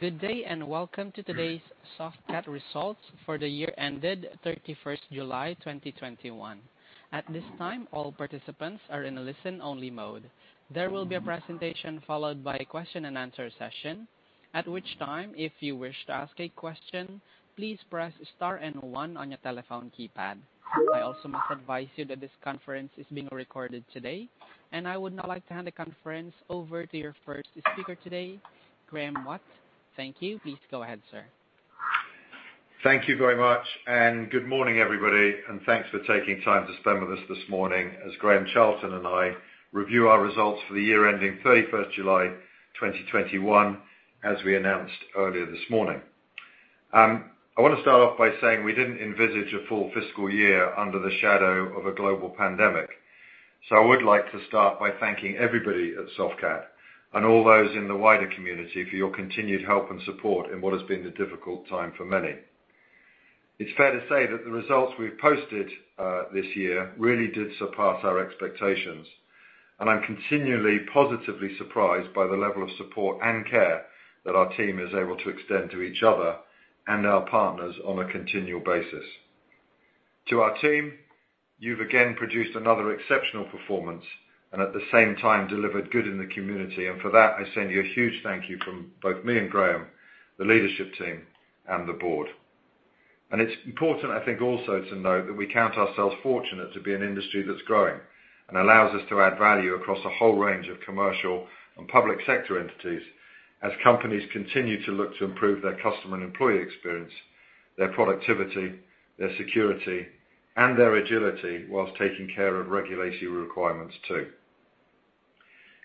Good day, and welcome to today's Softcat results for the year ended 31st July 2021. At this time, all participants are in a listen-only mode. There will be a presentation followed by question and answer session, at which time, if you wish to ask a question, please press star and one on your telephone keypad. I also must advise you that this conference is being recorded today, and I would now like to hand the conference over to your first speaker today, Graeme Watt. Thank you. Please go ahead, sir. Thank you very much, and good morning, everybody, and thanks for taking time to spend with us this morning as Graham Charlton and I review our results for the year ending 31 July 2021, as we announced earlier this morning. I wanna start off by saying we didn't envisage a full fiscal year under the shadow of a global pandemic. I would like to start by thanking everybody at Softcat and all those in the wider community for your continued help and support in what has been a difficult time for many. It's fair to say that the results we've posted this year really did surpass our expectations, and I'm continually positively surprised by the level of support and care that our team is able to extend to each other and our partners on a continual basis. To our team, you've again produced another exceptional performance and at the same time delivered good in the community. For that, I send you a huge thank you from both me and Graham, the leadership team, and the board. It's important, I think, also to note that we count ourselves fortunate to be an industry that's growing and allows us to add value across a whole range of commercial and public sector entities as companies continue to look to improve their customer and employee experience, their productivity, their security, and their agility whilst taking care of regulatory requirements too.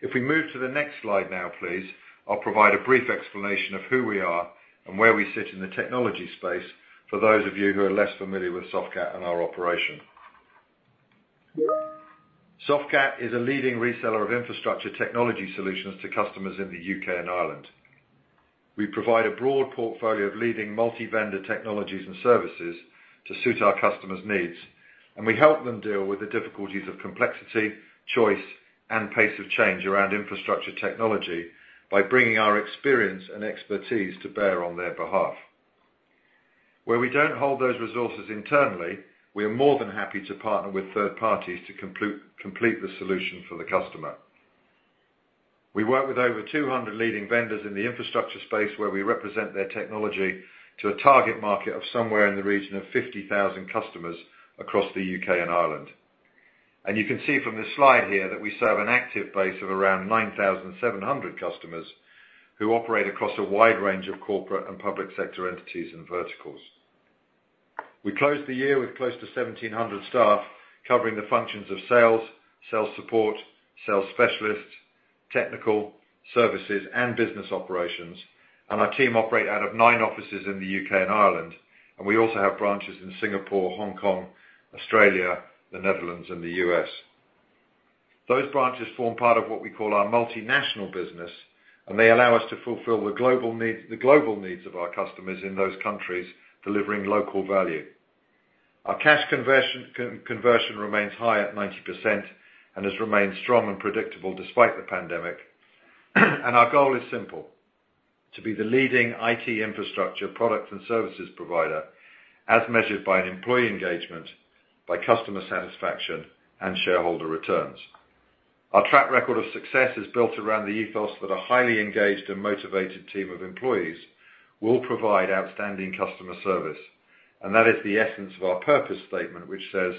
If we move to the next slide now, please, I'll provide a brief explanation of who we are and where we sit in the technology space for those of you who are less familiar with Softcat and our operation. Softcat is a leading reseller of infrastructure technology solutions to customers in the U.K. and Ireland. We provide a broad portfolio of leading multi-vendor technologies and services to suit our customers' needs, and we help them deal with the difficulties of complexity, choice, and pace of change around infrastructure technology by bringing our experience and expertise to bear on their behalf. Where we don't hold those resources internally, we are more than happy to partner with third parties to complete the solution for the customer. We work with over 200 leading vendors in the infrastructure space where we represent their technology to a target market of somewhere in the region of 50,000 customers across the U.K. and Ireland. You can see from this slide here that we serve an active base of around 9,700 customers who operate across a wide range of corporate and public sector entities and verticals. We closed the year with close to 1,700 staff covering the functions of sales support, sales specialists, technical, services, and business operations. Our team operate out of nine offices in the U.K. and Ireland, and we also have branches in Singapore, Hong Kong, Australia, the Netherlands, and the U.S. Those branches form part of what we call our multinational business, and they allow us to fulfill the global needs of our customers in those countries, delivering local value. Our cash conversion remains high at 90% and has remained strong and predictable despite the pandemic. Our goal is simple, to be the leading IT infrastructure product and services provider, as measured by an employee engagement, by customer satisfaction, and shareholder returns. Our track record of success is built around the ethos that a highly engaged and motivated team of employees will provide outstanding customer service, and that is the essence of our purpose statement, which says,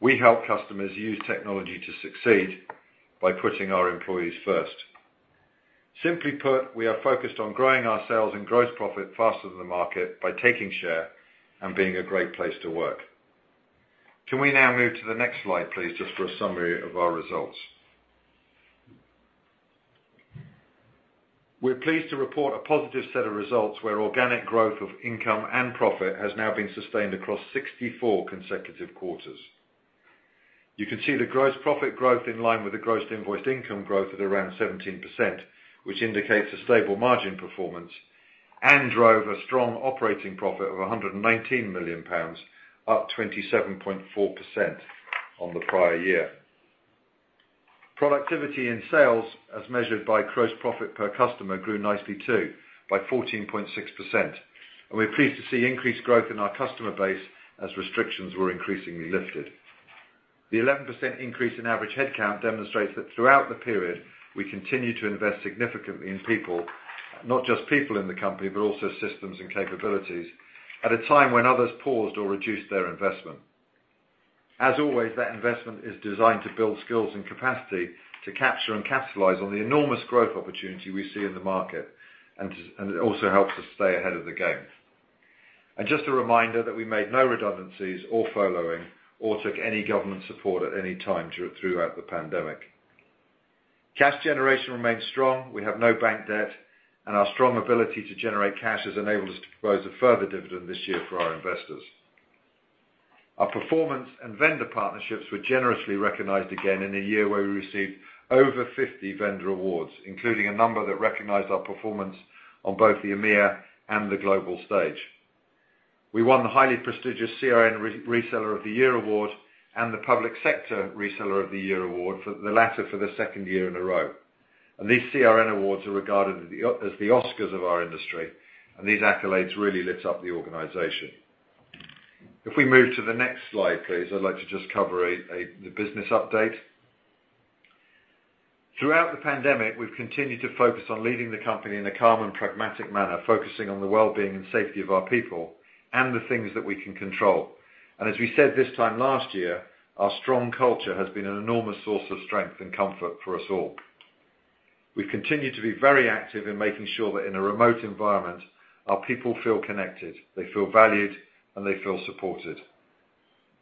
"We help customers use technology to succeed by putting our employees first." Simply put, we are focused on growing our sales and gross profit faster than the market by taking share and being a Great Place to Work. Can we now move to the next slide, please, just for a summary of our results? We're pleased to report a positive set of results where organic growth of income and profit has now been sustained across 64 consecutive quarters. You can see the gross profit growth in line with the gross invoiced income growth at around 17%, which indicates a stable margin performance and drove a strong operating profit of 119 million pounds, up 27.4% on the prior year. Productivity and sales, as measured by gross profit per customer, grew nicely too, by 14.6%, and we're pleased to see increased growth in our customer base as restrictions were increasingly lifted. The 11% increase in average head count demonstrates that throughout the period, we continued to invest significantly in people, not just people in the company, but also systems and capabilities at a time when others paused or reduced their investment. As always, that investment is designed to build skills and capacity to capture and capitalize on the enormous growth opportunity we see in the market, and to. It also helps us stay ahead of the game. Just a reminder that we made no redundancies or furloughing or took any government support at any time throughout the pandemic. Cash generation remains strong, we have no bank debt, and our strong ability to generate cash has enabled us to propose a further dividend this year for our investors. Our performance and vendor partnerships were generously recognized again in a year where we received over 50 vendor awards, including a number that recognized our performance on both the EMEA and the global stage. We won the highly prestigious CRN Reseller of the Year award and the Public Sector Reseller of the Year award for the latter for the second year in a row. These CRN awards are regarded as the Oscars of our industry, and these accolades really lit up the organization. If we move to the next slide, please, I'd like to just cover the business update. Throughout the pandemic, we've continued to focus on leading the company in a calm and pragmatic manner, focusing on the well-being and safety of our people and the things that we can control. As we said this time last year, our strong culture has been an enormous source of strength and comfort for us all. We've continued to be very active in making sure that in a remote environment, our people feel connected, they feel valued, and they feel supported.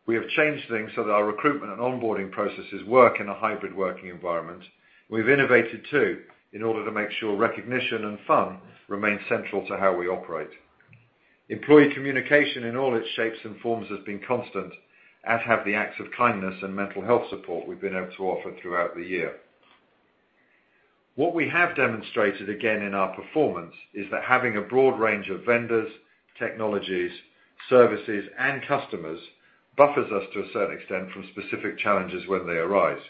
We have changed things so that our recruitment and onboarding processes work in a hybrid working environment. We've innovated too, in order to make sure recognition and fun remain central to how we operate. Employee communication in all its shapes and forms has been constant, as have the acts of kindness and mental health support we've been able to offer throughout the year. What we have demonstrated, again in our performance, is that having a broad range of vendors, technologies, services, and customers buffers us to a certain extent from specific challenges when they arise.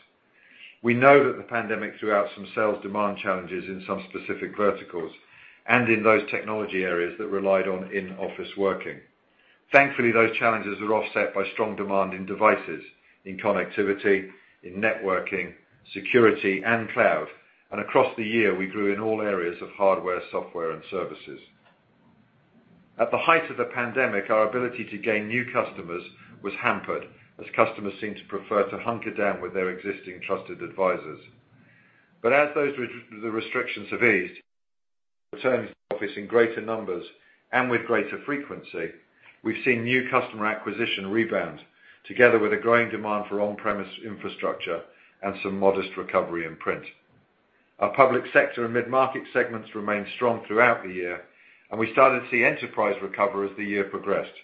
We know that the pandemic threw out some sales demand challenges in some specific verticals and in those technology areas that relied on in-office working. Thankfully, those challenges are offset by strong demand in devices, in connectivity, in networking, security, and cloud. Across the year, we grew in all areas of hardware, software, and services. At the height of the pandemic, our ability to gain new customers was hampered as customers seemed to prefer to hunker down with their existing trusted advisors. As those restrictions have eased, returned to the office in greater numbers and with greater frequency, we've seen new customer acquisition rebound together with a growing demand for on-premise infrastructure and some modest recovery in print. Our public sector and mid-market segments remained strong throughout the year, and we started to see enterprise recover as the year progressed.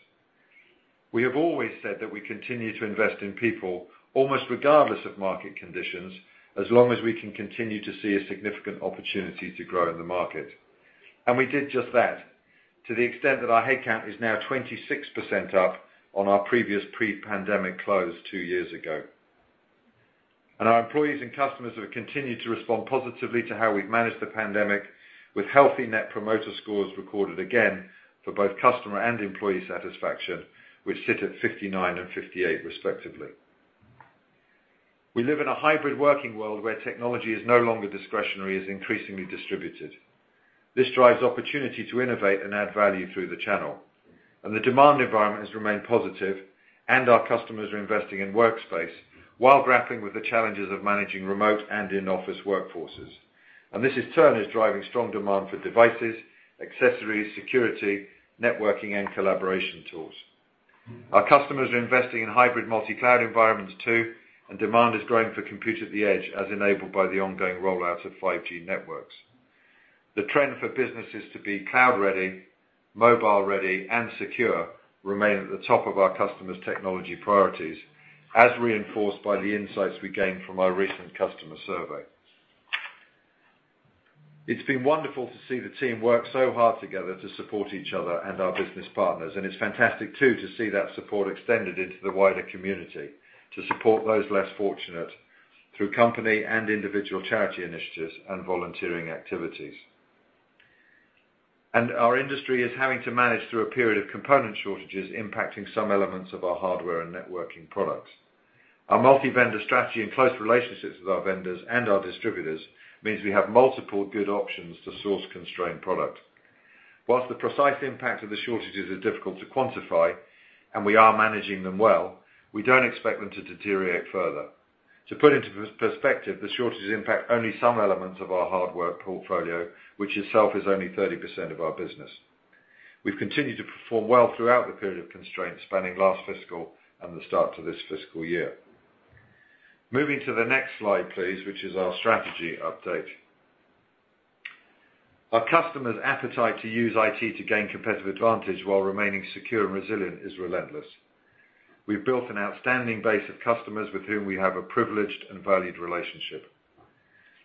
We have always said that we continue to invest in people almost regardless of market conditions, as long as we can continue to see a significant opportunity to grow in the market. We did just that to the extent that our headcount is now 26% up on our previous pre-pandemic close two years ago. Our employees and customers have continued to respond positively to how we've managed the pandemic with healthy net promoter scores recorded again for both customer and employee satisfaction, which sit at 59 and 58 respectively. We live in a hybrid working world where technology is no longer discretionary, it's increasingly distributed. This drives opportunity to innovate and add value through the channel. The demand environment has remained positive, and our customers are investing in workspace while grappling with the challenges of managing remote and in-office workforces. This, in turn, is driving strong demand for devices, accessories, security, networking, and collaboration tools. Our customers are investing in hybrid multi-cloud environments too, and demand is growing for compute at the edge, as enabled by the ongoing rollout of 5G networks. The trend for businesses to be cloud-ready, mobile-ready, and secure remain at the top of our customers' technology priorities, as reinforced by the insights we gained from our recent customer survey. It's been wonderful to see the team work so hard together to support each other and our business partners, and it's fantastic too to see that support extended into the wider community to support those less fortunate through company and individual charity initiatives and volunteering activities. Our industry is having to manage through a period of component shortages impacting some elements of our hardware and networking products. Our multi-vendor strategy and close relationships with our vendors and our distributors means we have multiple good options to source constrained products. While the precise impact of the shortages are difficult to quantify, and we are managing them well, we don't expect them to deteriorate further. To put into perspective, the shortages impact only some elements of our hardware portfolio, which itself is only 30% of our business. We've continued to perform well throughout the period of constraints spanning last fiscal and the start of this fiscal year. Moving to the next slide, please, which is our strategy update. Our customers' appetite to use IT to gain competitive advantage while remaining secure and resilient is relentless. We've built an outstanding base of customers with whom we have a privileged and valued relationship.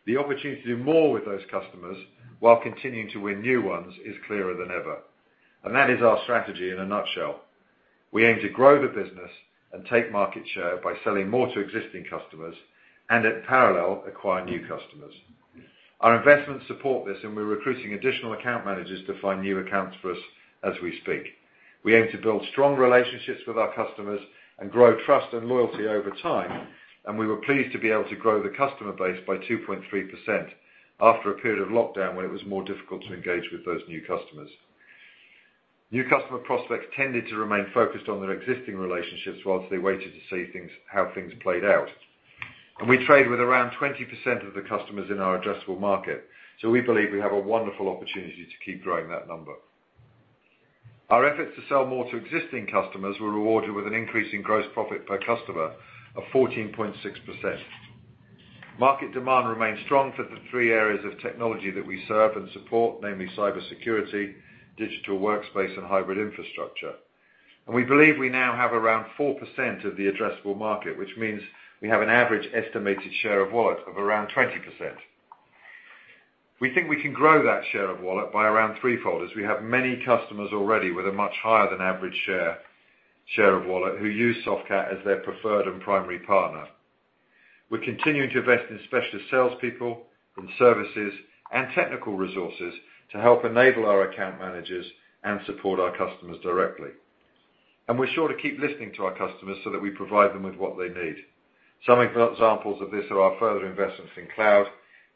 The opportunity to do more with those customers while continuing to win new ones is clearer than ever. That is our strategy in a nutshell. We aim to grow the business and take market share by selling more to existing customers and in parallel, acquire new customers. Our investments support this, and we're recruiting additional account managers to find new accounts for us as we speak. We aim to build strong relationships with our customers and grow trust and loyalty over time, and we were pleased to be able to grow the customer base by 2.3% after a period of lockdown where it was more difficult to engage with those new customers. New customer prospects tended to remain focused on their existing relationships while they waited to see things, how things played out. We trade with around 20% of the customers in our addressable market, so we believe we have a wonderful opportunity to keep growing that number. Our efforts to sell more to existing customers were rewarded with an increase in gross profit per customer of 14.6%. Market demand remains strong for the three areas of technology that we serve and support, namely cybersecurity, digital workspace, and hybrid infrastructure. We believe we now have around 4% of the addressable market, which means we have an average estimated share of wallet of around 20%. We think we can grow that share of wallet by around three-fold, as we have many customers already with a much higher than average share of wallet who use Softcat as their preferred and primary partner. We're continuing to invest in specialist salespeople from services and technical resources to help enable our account managers and support our customers directly. We're sure to keep listening to our customers so that we provide them with what they need. Some examples of this are our further investments in cloud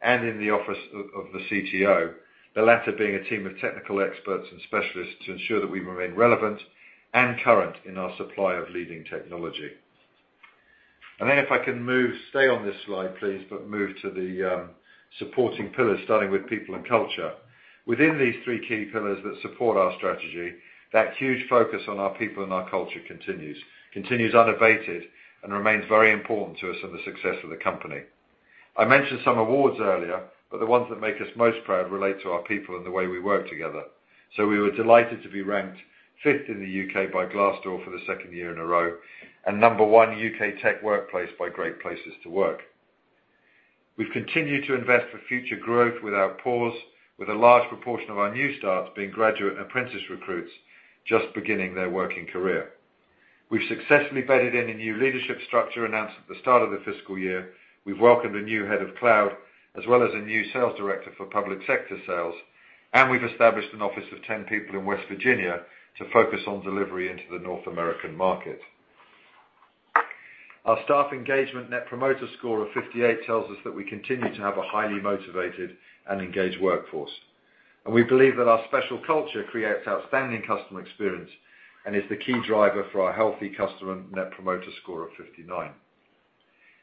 and in the office of the CTO, the latter being a team of technical experts and specialists to ensure that we remain relevant and current in our supply of leading technology. Then if I can move. Stay on this slide, please, but move to the supporting pillars, starting with people and culture. Within these three key pillars that support our strategy, that huge focus on our people and our culture continues unabated and remains very important to us and the success of the company. I mentioned some awards earlier, but the ones that make us most proud relate to our people and the way we work together. We were delighted to be ranked fifth in the U.K. by Glassdoor for the second year in a row, and number one U.K. tech workplace by Great Place to Work. We've continued to invest for future growth with our people, with a large proportion of our new starts being graduate and apprentice recruits just beginning their working career. We've successfully bedded in a new leadership structure announced at the start of the fiscal year. We've welcomed a new head of cloud, as well as a new sales director for public sector sales, and we've established an office of 10 people in Arlington, Virginia to focus on delivery into the North American market. Our staff engagement net promoter score of 58 tells us that we continue to have a highly motivated and engaged workforce. We believe that our special culture creates outstanding customer experience and is the key driver for our healthy customer net promoter score of 59.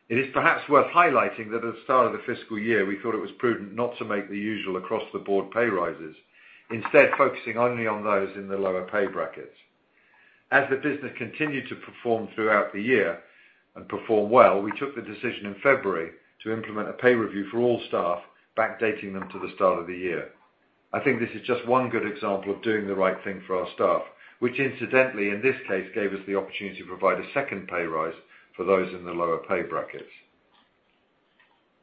It is perhaps worth highlighting that at the start of the fiscal year, we thought it was prudent not to make the usual across-the-board pay rises, instead focusing only on those in the lower pay brackets. As the business continued to perform throughout the year, and perform well, we took the decision in February to implement a pay review for all staff, backdating them to the start of the year. I think this is just one good example of doing the right thing for our staff, which incidentally, in this case, gave us the opportunity to provide a second pay rise for those in the lower pay brackets.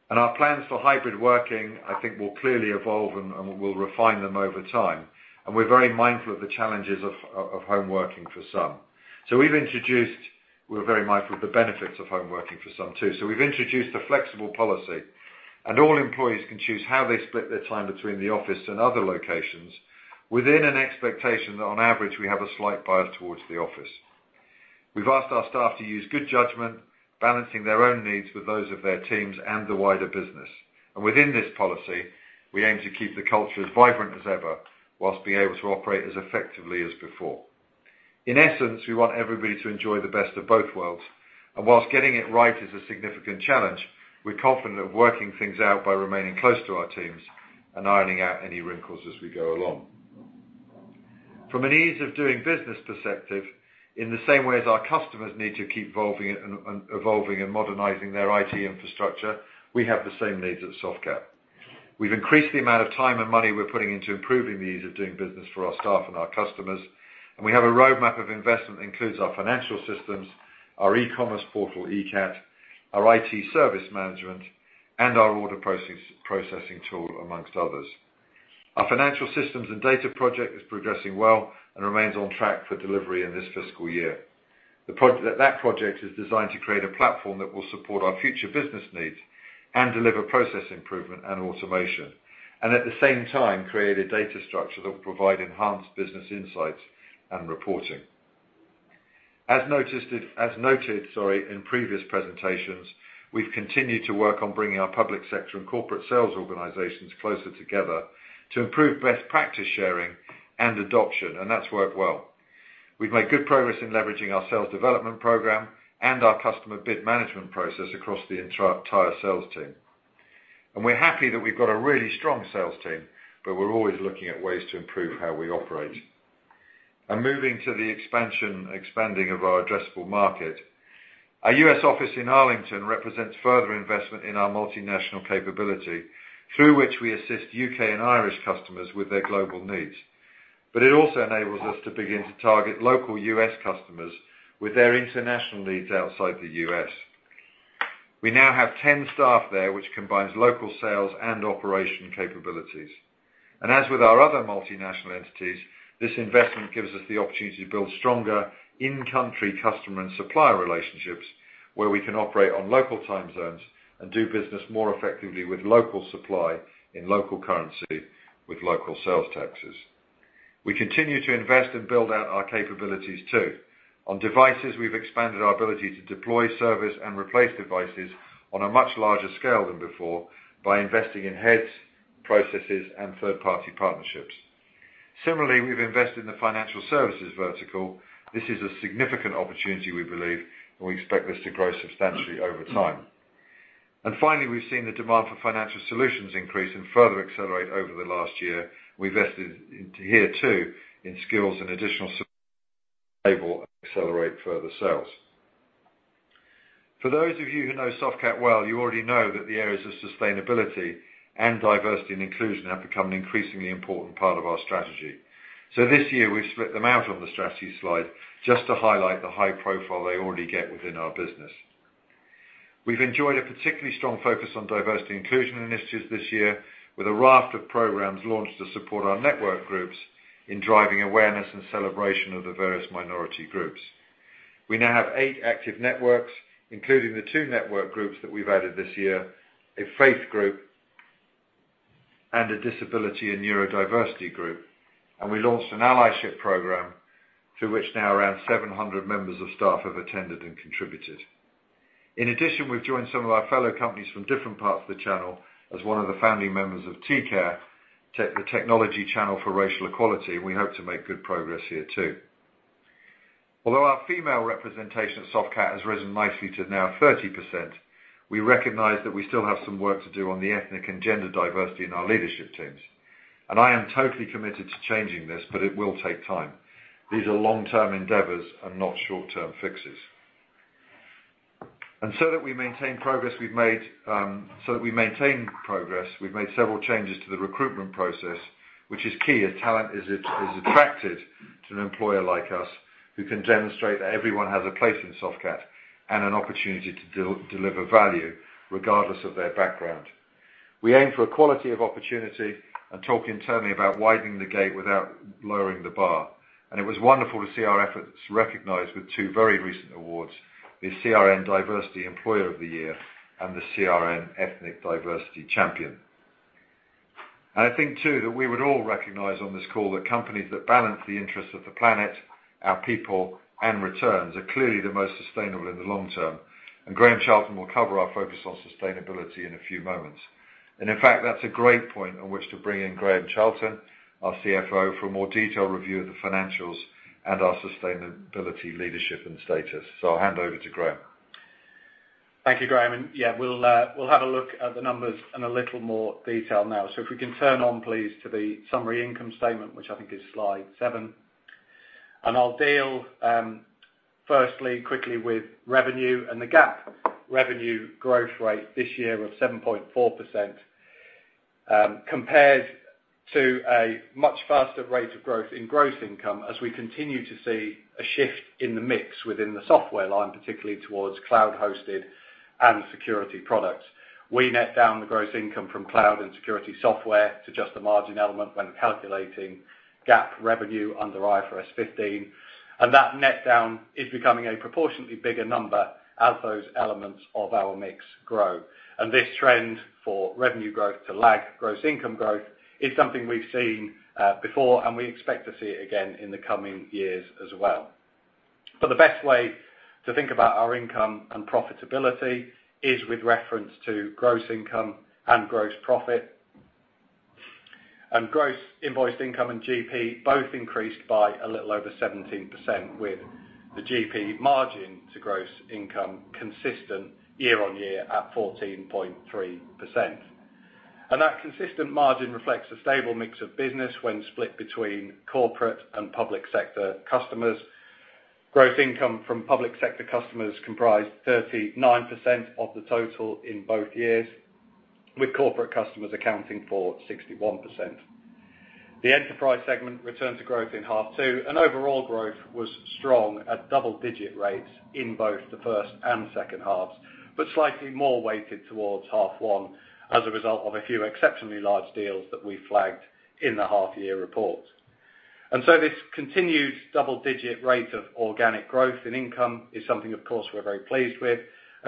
Our plans for hybrid working, I think, will clearly evolve and we'll refine them over time. We're very mindful of the challenges of home working for some. We're very mindful of the benefits of home working for some too. We've introduced a flexible policy, and all employees can choose how they split their time between the office and other locations within an expectation that on average, we have a slight bias towards the office. We've asked our staff to use good judgment, balancing their own needs with those of their teams and the wider business. Within this policy, we aim to keep the culture as vibrant as ever while being able to operate as effectively as before. In essence, we want everybody to enjoy the best of both worlds. While getting it right is a significant challenge, we're confident of working things out by remaining close to our teams and ironing out any wrinkles as we go along. From an ease of doing business perspective, in the same way as our customers need to keep evolving and modernizing their IT infrastructure, we have the same needs at Softcat. We've increased the amount of time and money we're putting into improving the ease of doing business for our staff and our customers, and we have a roadmap of investment that includes our financial systems, our e-commerce portal, eCAT, our IT service management, and our order processing tool, among others. Our financial systems and data project is progressing well and remains on track for delivery in this fiscal year. That project is designed to create a platform that will support our future business needs and deliver process improvement and automation. At the same time, create a data structure that will provide enhanced business insights and reporting. As noted, sorry, in previous presentations, we've continued to work on bringing our public sector and corporate sales organizations closer together to improve best practice sharing and adoption, and that's worked well. We've made good progress in leveraging our sales development program and our customer bid management process across the entire sales team. We're happy that we've got a really strong sales team, but we're always looking at ways to improve how we operate. Moving to the expansion of our addressable market. Our U.S. office in Arlington, Virginia represents further investment in our multinational capability, through which we assist U.K. and Irish customers with their global needs. It also enables us to begin to target local U.S. customers with their international needs outside the U.S. We now have 10 staff there, which combines local sales and operations capabilities. As with our other multinational entities, this investment gives us the opportunity to build stronger in-country customer and supplier relationships where we can operate on local time zones and do business more effectively with local supply in local currency with local sales taxes. We continue to invest and build out our capabilities too. On devices, we've expanded our ability to deploy, service, and replace devices on a much larger scale than before by investing in heads, processes, and third-party partnerships. Similarly, we've invested in the financial services vertical. This is a significant opportunity, we believe, and we expect this to grow substantially over time. Finally, we've seen the demand for financial solutions increase and further accelerate over the last year. We invested heavily too in skills and additional support to enable and accelerate further sales. For those of you who know Softcat well, you already know that the areas of sustainability and diversity and inclusion have become an increasingly important part of our strategy. This year, we've split them out on the strategy slide just to highlight the high profile they already get within our business. We've enjoyed a particularly strong focus on diversity inclusion initiatives this year with a raft of programs launched to support our network groups in driving awareness and celebration of the various minority groups. We now have eight active networks, including the two network groups that we've added this year, a faith group and a disability and neurodiversity group. We launched an allyship program through which now around 700 members of staff have attended and contributed. In addition, we've joined some of our fellow companies from different parts of the channel as one of the founding members of TC4RE, the Channel for Racial Equality. We hope to make good progress here too. Although our female representation at Softcat has risen nicely to now 30%, we recognize that we still have some work to do on the ethnic and gender diversity in our leadership teams. I am totally committed to changing this, but it will take time. These are long-term endeavors and not short-term fixes. To maintain progress we've made several changes to the recruitment process, which is key as talent is attracted to an employer like us, who can demonstrate that everyone has a place in Softcat and an opportunity to deliver value regardless of their background. We aim for equality of opportunity and talk internally about widening the gate without lowering the bar, and it was wonderful to see our efforts recognized with two very recent awards, the CRN Diversity Employer of the Year and the CRN Ethnic Diversity Champion. I think too, that we would all recognize on this call that companies that balance the interests of the planet, our people, and returns are clearly the most sustainable in the long term. Graham Charlton will cover our focus on sustainability in a few moments. In fact, that's a great point on which to bring in Graham Charlton, our CFO, for a more detailed review of the financials and our sustainability leadership and status. I'll hand over to Graham. Thank you, Graeme. Yeah, we'll have a look at the numbers in a little more detail now. If we can turn to, please, the summary income statement, which I think is slide seven. I'll deal firstly, quickly with revenue and the GAAP revenue growth rate this year of 7.4%, compared to a much faster rate of growth in gross income as we continue to see a shift in the mix within the software line, particularly towards cloud-hosted and security products. We net down the gross income from cloud and security software to just the margin element when calculating GAAP revenue under IFRS 15. That net down is becoming a proportionately bigger number as those elements of our mix grow. This trend for revenue growth to lag gross income growth is something we've seen before, and we expect to see it again in the coming years as well. The best way to think about our income and profitability is with reference to gross income and gross profit. Gross invoiced income and GP both increased by a little over 17% with the GP margin to gross income consistent year on year at 14.3%. That consistent margin reflects a stable mix of business when split between corporate and public sector customers. Gross income from public sector customers comprised 39% of the total in both years, with corporate customers accounting for 61%. The enterprise segment returned to growth in half two, and overall growth was strong at double-digit rates in both the first and second halves, but slightly more weighted towards half one as a result of a few exceptionally large deals that we flagged in the half year report. This continued double-digit rate of organic growth and income is something, of course, we're very pleased with.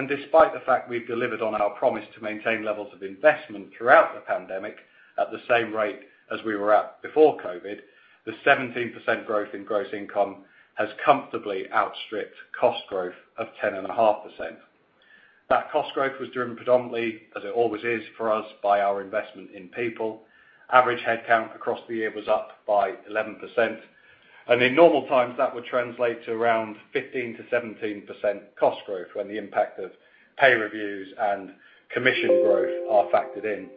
Despite the fact we've delivered on our promise to maintain levels of investment throughout the pandemic at the same rate as we were at before COVID, the 17% growth in gross income has comfortably outstripped cost growth of 10.5%. That cost growth was driven predominantly, as it always is for us, by our investment in people. Average headcount across the year was up by 11%. In normal times, that would translate to around 15%-17% cost growth when the impact of pay reviews and commission growth are factored in.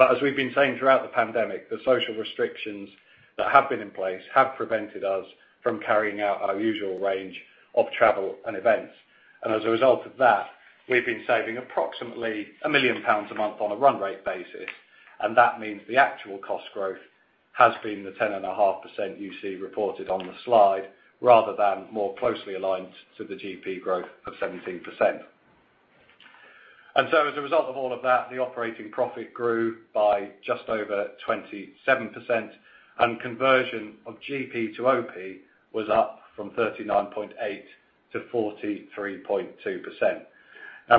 As we've been saying throughout the pandemic, the social restrictions that have been in place have prevented us from carrying out our usual range of travel and events. As a result of that, we've been saving approximately 1 million pounds a month on a run rate basis, and that means the actual cost growth has been the 10.5% you see reported on the slide rather than more closely aligned to the GP growth of 17%. As a result of all of that, the operating profit grew by just over 27%, and conversion of GP to OP was up from 39.8%-43.2%.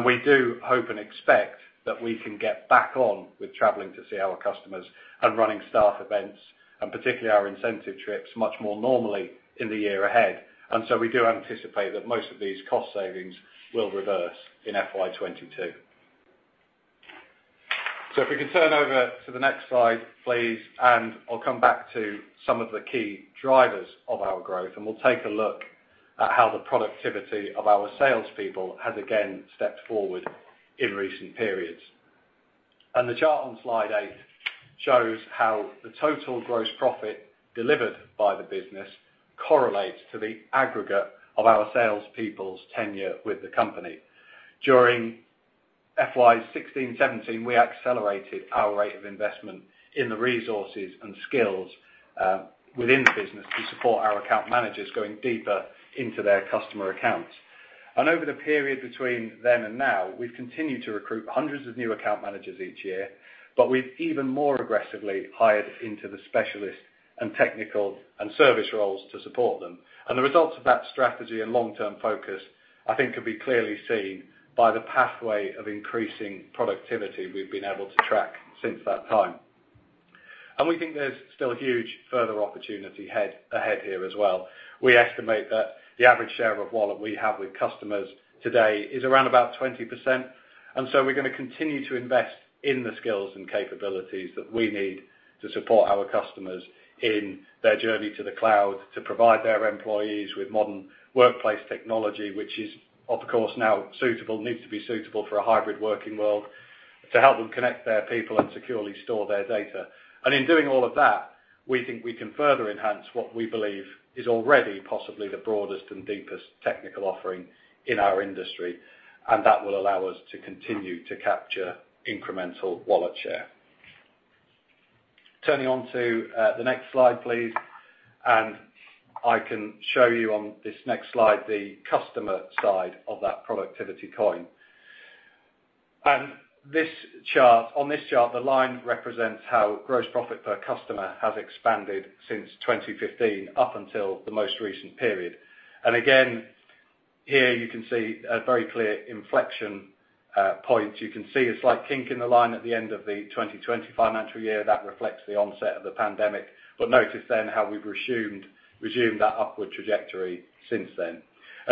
We do hope and expect that we can get back on with traveling to see our customers and running staff events, and particularly our incentive trips much more normally in the year ahead. We do anticipate that most of these cost savings will reverse in FY 2022. If we can turn over to the next slide, please, and I'll come back to some of the key drivers of our growth, and we'll take a look at how the productivity of our sales people has again stepped forward in recent periods. The chart on slide eight shows how the total gross profit delivered by the business correlates to the aggregate of our sales people's tenure with the company. During FY 2016, 2017, we accelerated our rate of investment in the resources and skills within the business to support our account managers going deeper into their customer accounts. Over the period between then and now, we've continued to recruit hundreds of new account managers each year, but we've even more aggressively hired into the specialist and technical and service roles to support them. The results of that strategy and long-term focus, I think could be clearly seen by the pathway of increasing productivity we've been able to track since that time. We think there's still huge further opportunity ahead here as well. We estimate that the average share of wallet we have with customers today is around about 20%, and so we're gonna continue to invest in the skills and capabilities that we need to support our customers in their journey to the cloud, to provide their employees with modern workplace technology, which is of course now needs to be suitable for a hybrid working world, to help them connect their people and securely store their data. In doing all of that, we think we can further enhance what we believe is already possibly the broadest and deepest technical offering in our industry, and that will allow us to continue to capture incremental wallet share. Turning on to the next slide, please, and I can show you on this next slide the customer side of that productivity coin. This chart. On this chart, the line represents how gross profit per customer has expanded since 2015 up until the most recent period. Again, here you can see a very clear inflection point. You can see a slight kink in the line at the end of the 2020 financial year that reflects the onset of the pandemic. Notice then how we've resumed that upward trajectory since then.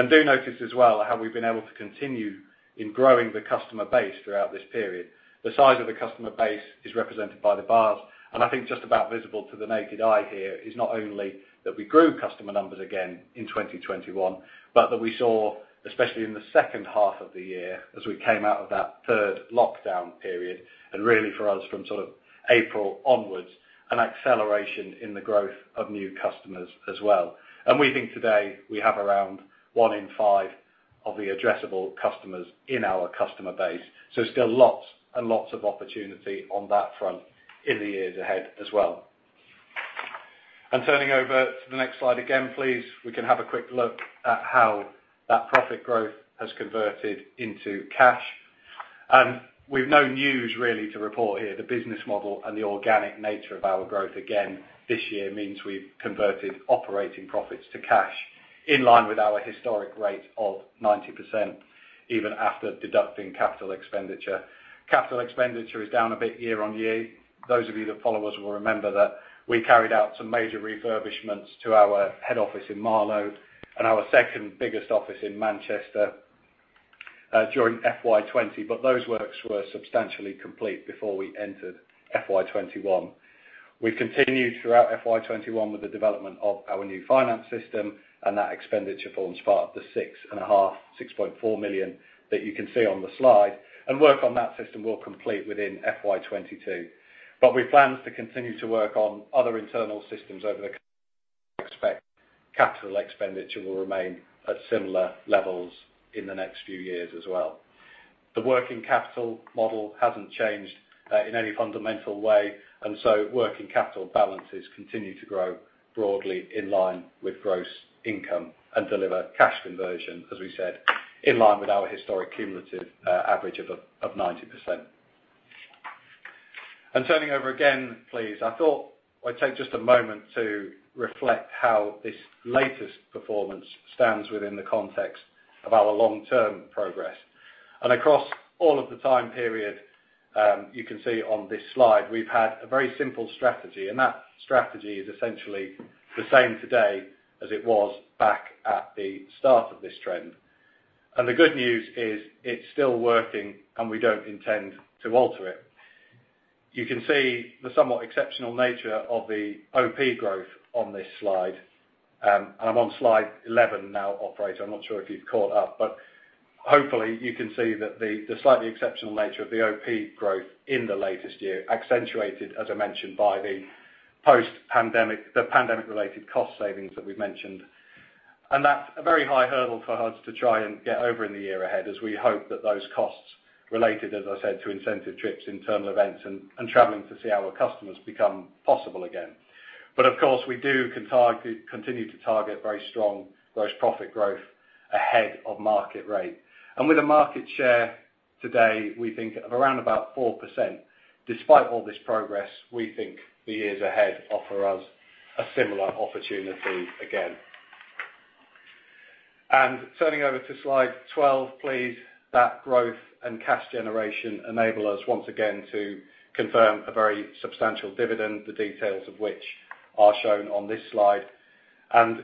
Do notice as well how we've been able to continue in growing the customer base throughout this period. The size of the customer base is represented by the bars, and I think just about visible to the naked eye here is not only that we grew customer numbers again in 2021, but that we saw, especially in the second half of the year as we came out of that third lockdown period, and really for us from sort of April onwards, an acceleration in the growth of new customers as well. We think today we have around one in five of the addressable customers in our customer base. Still lots and lots of opportunity on that front in the years ahead as well. Turning over to the next slide again please, we can have a quick look at how that profit growth has converted into cash. We've no news really to report here. The business model and the organic nature of our growth again this year means we've converted operating profits to cash in line with our historic rate of 90%, even after deducting capital expenditure. Capital expenditure is down a bit year-over-year. Those of you that follow us will remember that we carried out some major refurbishments to our head office in Marlow and our second biggest office in Manchester during FY 2020, but those works were substantially complete before we entered FY 2021. We continued throughout FY 2021 with the development of our new finance system, and that expenditure forms part of the 6.4 million that you can see on the slide. Work on that system will complete within FY 2022. We plan to continue to work on other internal systems. Over the next, we expect capital expenditure will remain at similar levels in the next few years as well. The working capital model hasn't changed in any fundamental way, and so working capital balances continue to grow broadly in line with gross income and deliver cash conversion, as we said, in line with our historic cumulative average of 90%. Turning over again, please, I thought I'd take just a moment to reflect how this latest performance stands within the context of our long-term progress. Across all of the time period, you can see on this slide, we've had a very simple strategy, and that strategy is essentially the same today as it was back at the start of this trend. The good news is it's still working, and we don't intend to alter it. You can see the somewhat exceptional nature of the OP growth on this slide, and I'm on slide 11 now, operator. I'm not sure if you've caught up, but hopefully you can see that the slightly exceptional nature of the OP growth in the latest year accentuated, as I mentioned, by the pandemic-related cost savings that we've mentioned. That's a very high hurdle for us to try and get over in the year ahead as we hope that those costs related, as I said, to incentive trips, internal events, and traveling to see our customers become possible again. Of course, we do continue to target very strong gross profit growth ahead of market rate. With a market share today, we think of around about 4%, despite all this progress, we think the years ahead offer us a similar opportunity again. Turning over to slide 12, please. That growth and cash generation enable us once again to confirm a very substantial dividend, the details of which are shown on this slide.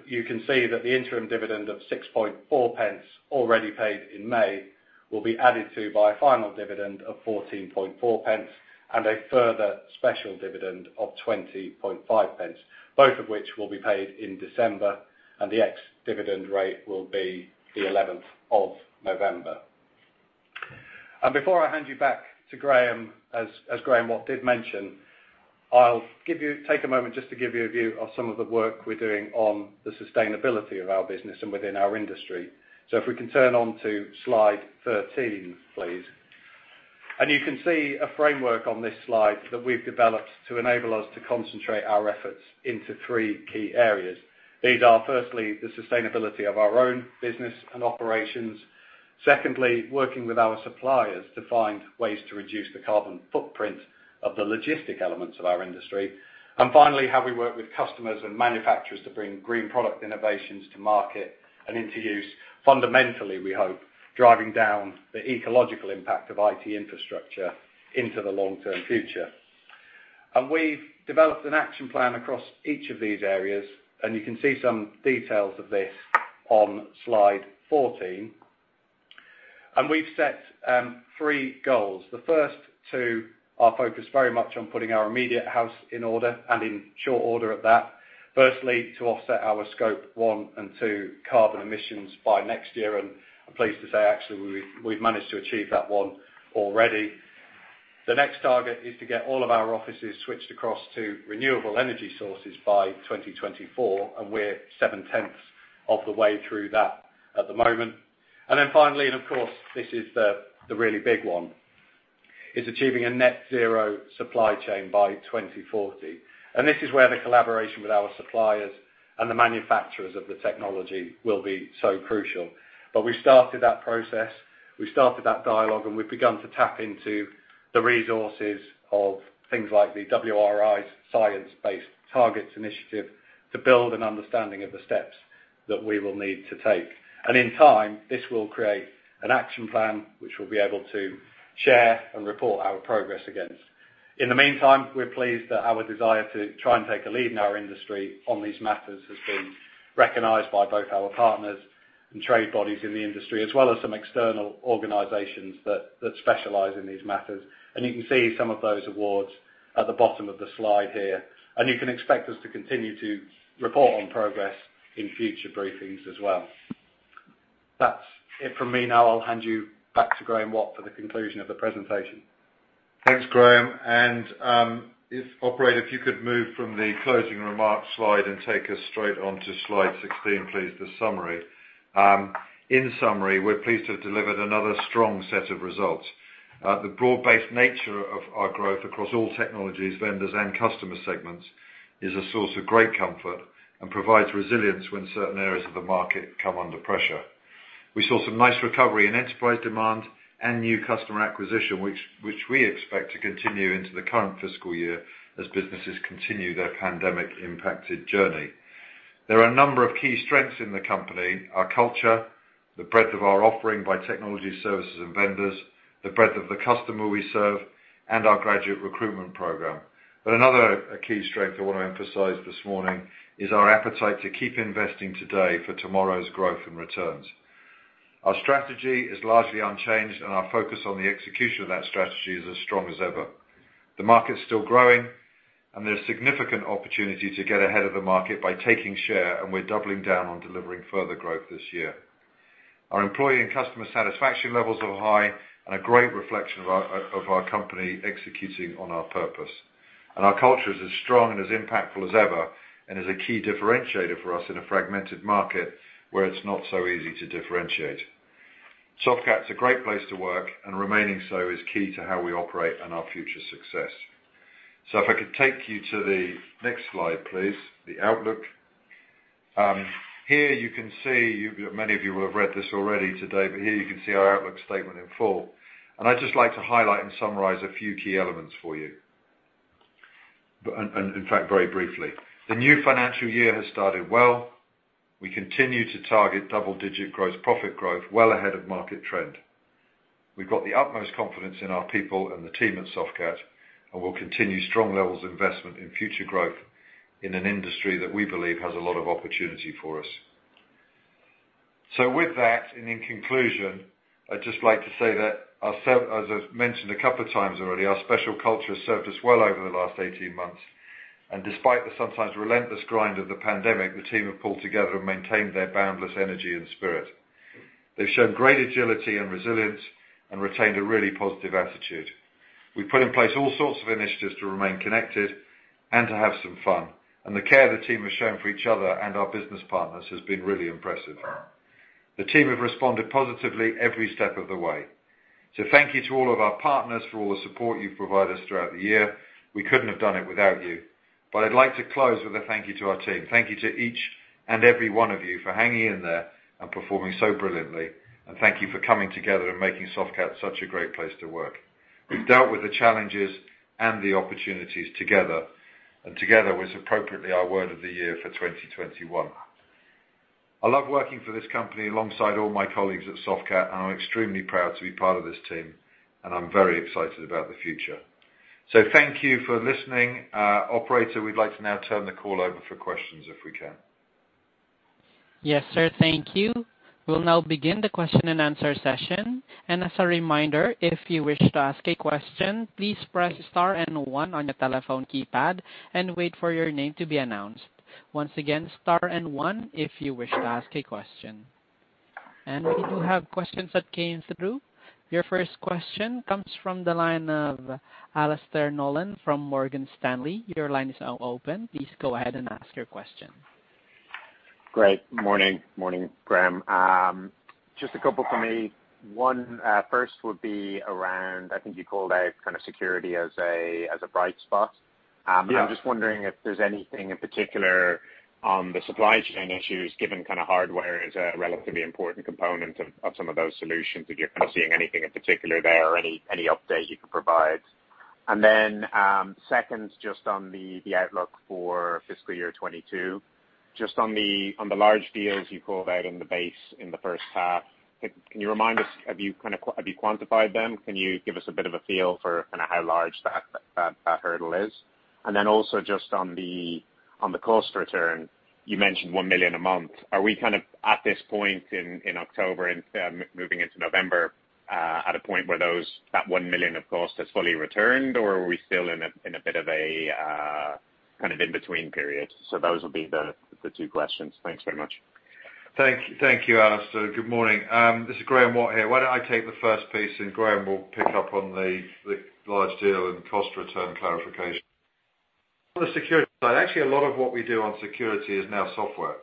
You can see that the interim dividend of 0.064 already paid in May will be added to by a final dividend of 0.144 and a further special dividend of 0.205, both of which will be paid in December, and the ex-dividend date will be the eleventh of November. Before I hand you back to Graeme, as Graeme Watt did mention. I'll take a moment just to give you a view of some of the work we're doing on the sustainability of our business and within our industry. If we can turn to slide 13, please. You can see a framework on this slide that we've developed to enable us to concentrate our efforts into three key areas. These are, firstly, the sustainability of our own business and operations. Secondly, working with our suppliers to find ways to reduce the carbon footprint of the logistic elements of our industry. Finally, how we work with customers and manufacturers to bring green product innovations to market and into use, fundamentally, we hope, driving down the ecological impact of IT infrastructure into the long-term future. We've developed an action plan across each of these areas, and you can see some details of this on slide 14. We've set three goals. The first two are focused very much on putting our immediate house in order and in short order at that. Firstly, to offset our Scope 1 and 2 carbon emissions by next year, and I'm pleased to say, actually, we've managed to achieve that one already. The next target is to get all of our offices switched across to renewable energy sources by 2024, and we're seven-tenths of the way through that at the moment. Then finally, and of course, this is the really big one, is achieving a net zero supply chain by 2040. This is where the collaboration with our suppliers and the manufacturers of the technology will be so crucial. We started that process, we started that dialogue, and we've begun to tap into the resources of things like the WRI's Science Based Targets initiative to build an understanding of the steps that we will need to take. In time, this will create an action plan which we'll be able to share and report our progress against. In the meantime, we're pleased that our desire to try and take a lead in our industry on these matters has been recognized by both our partners and trade bodies in the industry, as well as some external organizations that specialize in these matters. You can see some of those awards at the bottom of the slide here. You can expect us to continue to report on progress in future briefings as well. That's it from me. Now I'll hand you back to Graeme Watt for the conclusion of the presentation. Thanks, Graham. Operator, if you could move from the closing remarks slide and take us straight onto slide 16, please, the summary. In summary, we're pleased to have delivered another strong set of results. The broad-based nature of our growth across all technologies, vendors and customer segments is a source of great comfort and provides resilience when certain areas of the market come under pressure. We saw some nice recovery in enterprise demand and new customer acquisition, which we expect to continue into the current fiscal year as businesses continue their pandemic impacted journey. There are a number of key strengths in the company, our culture, the breadth of our offering by technology services and vendors, the breadth of the customer we serve, and our graduate recruitment program. Another key strength I wanna emphasize this morning is our appetite to keep investing today for tomorrow's growth and returns. Our strategy is largely unchanged, and our focus on the execution of that strategy is as strong as ever. The market's still growing, and there's significant opportunity to get ahead of the market by taking share, and we're doubling down on delivering further growth this year. Our employee and customer satisfaction levels are high and a great reflection of our company executing on our purpose. Our culture is as strong and as impactful as ever, and is a key differentiator for us in a fragmented market where it's not so easy to differentiate. Softcat's a great place to work, and remaining so is key to how we operate and our future success. If I could take you to the next slide, please, the outlook. Here you can see, many of you will have read this already today, but here you can see our outlook statement in full. I'd just like to highlight and summarize a few key elements for you. In fact, very briefly. The new financial year has started well. We continue to target double-digit gross profit growth well ahead of market trend. We've got the utmost confidence in our people and the team at Softcat, and we'll continue strong levels of investment in future growth in an industry that we believe has a lot of opportunity for us. With that, and in conclusion, I'd just like to say that as I've mentioned a couple of times already, our special culture has served us well over the last eighteen months. Despite the sometimes relentless grind of the pandemic, the team have pulled together and maintained their boundless energy and spirit. They've shown great agility and resilience and retained a really positive attitude. We put in place all sorts of initiatives to remain connected and to have some fun, and the care the team has shown for each other and our business partners has been really impressive. The team have responded positively every step of the way. Thank you to all of our partners for all the support you've provided us throughout the year. We couldn't have done it without you. I'd like to close with a thank you to our team. Thank you to each and every one of you for hanging in there and performing so brilliantly. Thank you for coming together and making Softcat such a great place to work. We've dealt with the challenges and the opportunities together, and together was appropriately our word of the year for 2021. I love working for this company alongside all my colleagues at Softcat, and I'm extremely proud to be part of this team, and I'm very excited about the future. Thank you for listening. Operator, we'd like to now turn the call over for questions, if we can. Yes, sir. Thank you. We'll now begin the question and answer session. As a reminder, if you wish to ask a question, please press star and one on your telephone keypad and wait for your name to be announced. Once again, star and one if you wish to ask a question. We do have questions that came through. Your first question comes from the line of Alastair Nolan from Morgan Stanley. Your line is now open. Please go ahead and ask your question. Great. Morning. Morning, Graeme. Just a couple from me. One, first would be around. I think you called out kind of security as a bright spot. Yeah. I'm just wondering if there's anything in particular on the supply chain issues, given kinda hardware is a relatively important component of some of those solutions, if you're kind of seeing anything in particular there or any update you can provide. Second, just on the outlook for fiscal year 2022, just on the large deals you called out in the base in the first half, can you remind us, have you quantified them? Can you give us a bit of a feel for kinda how large that hurdle is? Also just on the cost return, you mentioned 1 million a month. Are we kind of at this point in October and moving into November at a point where those that 1 million of cost has fully returned or are we still in a bit of a kind of in-between period? Those will be the two questions. Thanks very much. Thank you, Alastair. Good morning. This is Graeme Watt here. Why don't I take the first piece, and Graham will pick up on the large deal and cost return clarification. On the security side, actually a lot of what we do on security is now software.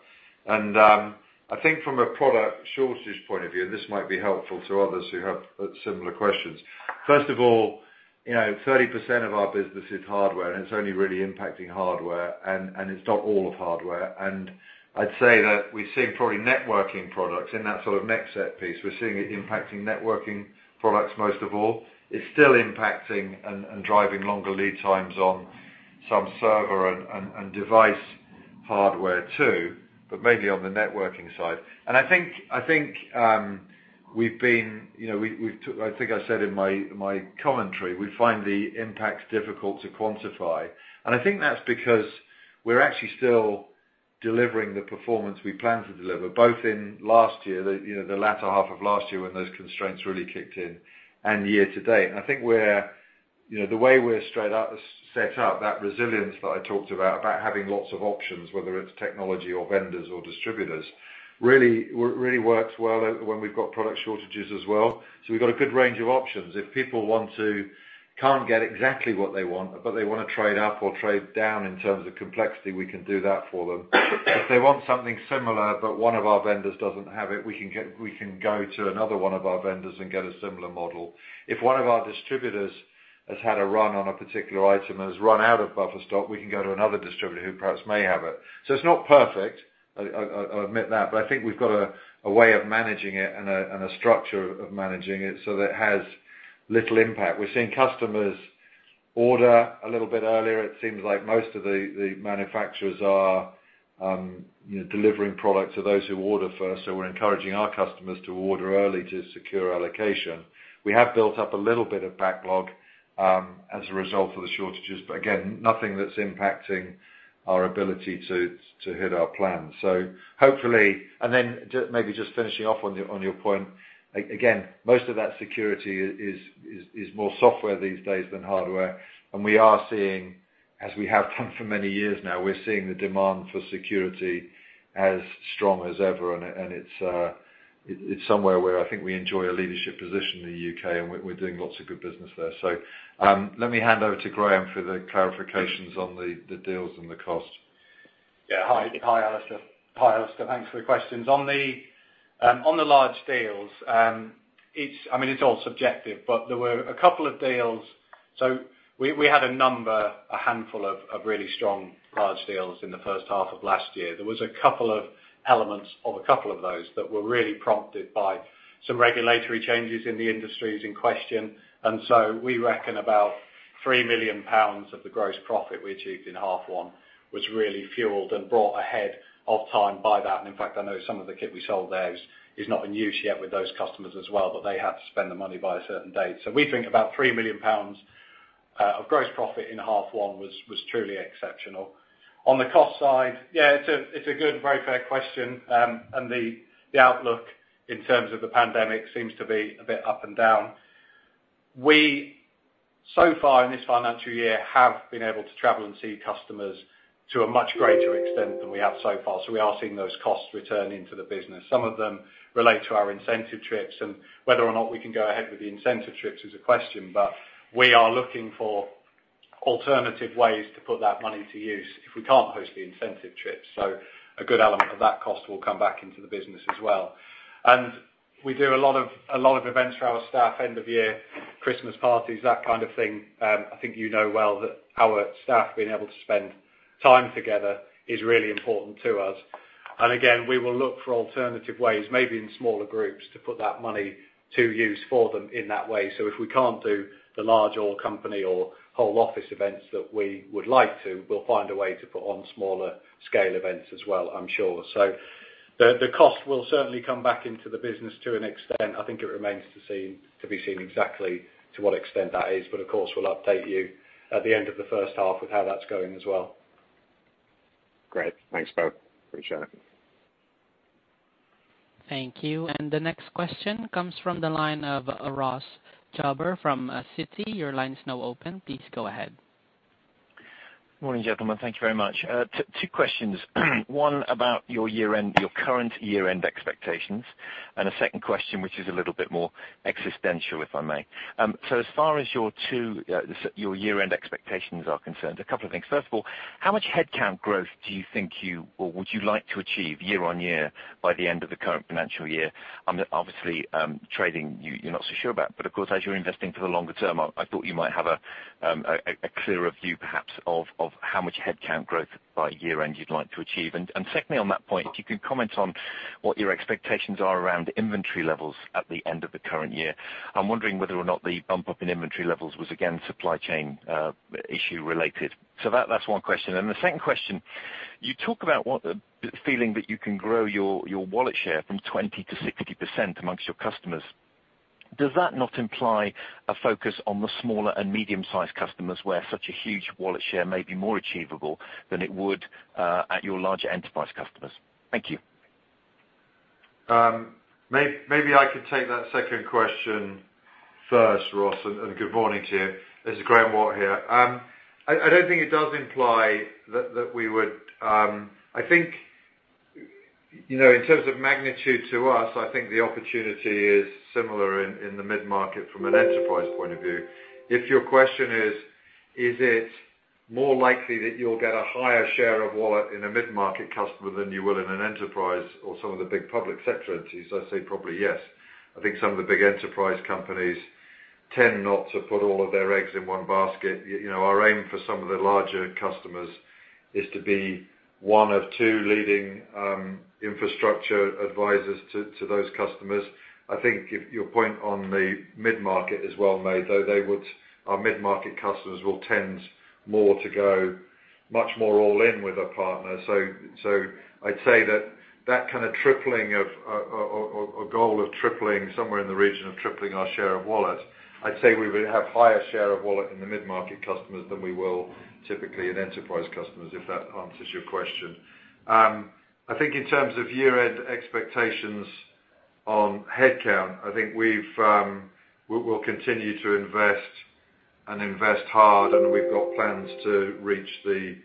I think from a product shortages point of view, this might be helpful to others who have similar questions. First of all, you know, 30% of our business is hardware, and it's only really impacting hardware, and it's not all of hardware. I'd say that we've seen probably networking products in that sort of next set piece. We're seeing it impacting networking products most of all. It's still impacting and driving longer lead times on some server and device hardware too, but mainly on the networking side. I think we've been, you know, I think I said in my commentary, we find the impacts difficult to quantify. I think that's because we're actually still delivering the performance we plan to deliver, both in last year, you know, the latter half of last year when those constraints really kicked in, and year to date. I think we're, you know, the way we're straight up set up, that resilience that I talked about having lots of options, whether it's technology or vendors or distributors, really works well when we've got product shortages as well. We've got a good range of options. If people can't get exactly what they want, but they wanna trade up or trade down in terms of complexity, we can do that for them. If they want something similar, but one of our vendors doesn't have it, we can go to another one of our vendors and get a similar model. If one of our distributors has had a run on a particular item and has run out of buffer stock, we can go to another distributor who perhaps may have it. It's not perfect, I admit that, but I think we've got a way of managing it and a structure of managing it so that it has little impact. We're seeing customers order a little bit earlier. It seems like most of the manufacturers are, you know, delivering products to those who order first, so we're encouraging our customers to order early to secure allocation. We have built up a little bit of backlog as a result of the shortages, but again, nothing that's impacting our ability to hit our plan. Hopefully. Maybe just finishing off on your point, again, most of that security is more software these days than hardware. We are seeing, as we have done for many years now, we're seeing the demand for security as strong as ever, and it's somewhere where I think we enjoy a leadership position in the U.K., and we're doing lots of good business there. Let me hand over to Graham for the clarifications on the deals and the cost. Yeah. Hi. Hi, Alastair. Thanks for the questions. On the large deals, it's I mean, it's all subjective, but there were a couple of deals. We had a number, a handful of really strong large deals in the first half of last year. There was a couple of elements of a couple of those that were really prompted by some regulatory changes in the industries in question. We reckon about 3 million pounds of the gross profit we achieved in half one was really fueled and brought ahead of time by that. In fact, I know some of the kit we sold there is not in use yet with those customers as well, but they had to spend the money by a certain date. We think about 3 million pounds of gross profit in half one was truly exceptional. On the cost side, yeah, it's a good, very fair question. The outlook in terms of the pandemic seems to be a bit up and down. We so far in this financial year have been able to travel and see customers to a much greater extent than we have so far, so we are seeing those costs return into the business. Some of them relate to our incentive trips, and whether or not we can go ahead with the incentive trips is a question. We are looking for alternative ways to put that money to use if we can't host the incentive trips. A good element of that cost will come back into the business as well. We do a lot of events for our staff, end of year, Christmas parties, that kind of thing. I think you know well that our staff being able to spend time together is really important to us. Again, we will look for alternative ways, maybe in smaller groups, to put that money to use for them in that way. If we can't do the large all company or whole office events that we would like to, we'll find a way to put on smaller scale events as well, I'm sure. The cost will certainly come back into the business to an extent. I think it remains to be seen exactly to what extent that is. Of course, we'll update you at the end of the first half with how that's going as well. Great. Thanks, both. Appreciate it. Thank you. The next question comes from the line of Ross Jobber from Citi. Your line is now open. Please go ahead. Morning, gentlemen. Thank you very much. Two questions. One about your year-end, your current year-end expectations, and a second question, which is a little bit more existential, if I may. As far as your year-end expectations are concerned, a couple of things. First of all, how much headcount growth do you think you or would you like to achieve year on year by the end of the current financial year? Obviously, trading, you're not so sure about. Of course, as you're investing for the longer term, I thought you might have a clearer view perhaps of how much headcount growth by year-end you'd like to achieve. Secondly on that point, if you could comment on what your expectations are around inventory levels at the end of the current year. I'm wondering whether or not the bump up in inventory levels was again supply chain issue related. That's one question. The second question, you talk about the feeling that you can grow your wallet share from 20%-60% amongst your customers. Does that not imply a focus on the smaller and medium-sized customers where such a huge wallet share may be more achievable than it would at your larger enterprise customers? Thank you. Maybe I could take that second question first, Ross. Good morning to you. This is Graeme Watt here. I don't think it does imply that we would. I think, you know, in terms of magnitude to us, I think the opportunity is similar in the mid-market from an enterprise point of view. If your question is it more likely that you'll get a higher share of wallet in a mid-market customer than you will in an enterprise or some of the big public sector entities, I'd say probably yes. I think some of the big enterprise companies tend not to put all of their eggs in one basket. You know, our aim for some of the larger customers is to be one of two leading infrastructure advisors to those customers. I think your point on the mid-market is well made. Our mid-market customers will tend more to go much more all in with a partner. So I'd say that kind of or goal of tripling somewhere in the region of tripling our share of wallet. I'd say we would have higher share of wallet in the mid-market customers than we will typically in enterprise customers, if that answers your question. I think in terms of year-end expectations on headcount, I think we'll continue to invest and invest hard, and we've got plans to reach the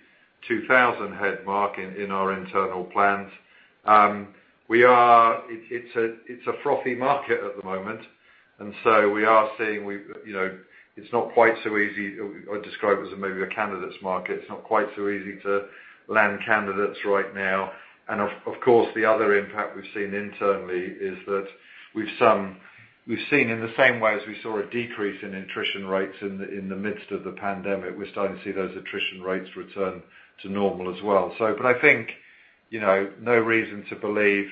2,000 head mark in our internal plans. It's a frothy market at the moment, and so we are seeing. You know, it's not quite so easy. I'd describe it as maybe a candidate's market. It's not quite so easy to land candidates right now. Of course, the other impact we've seen internally is that we've seen in the same way as we saw a decrease in attrition rates in the midst of the pandemic, we're starting to see those attrition rates return to normal as well. I think, you know, no reason to believe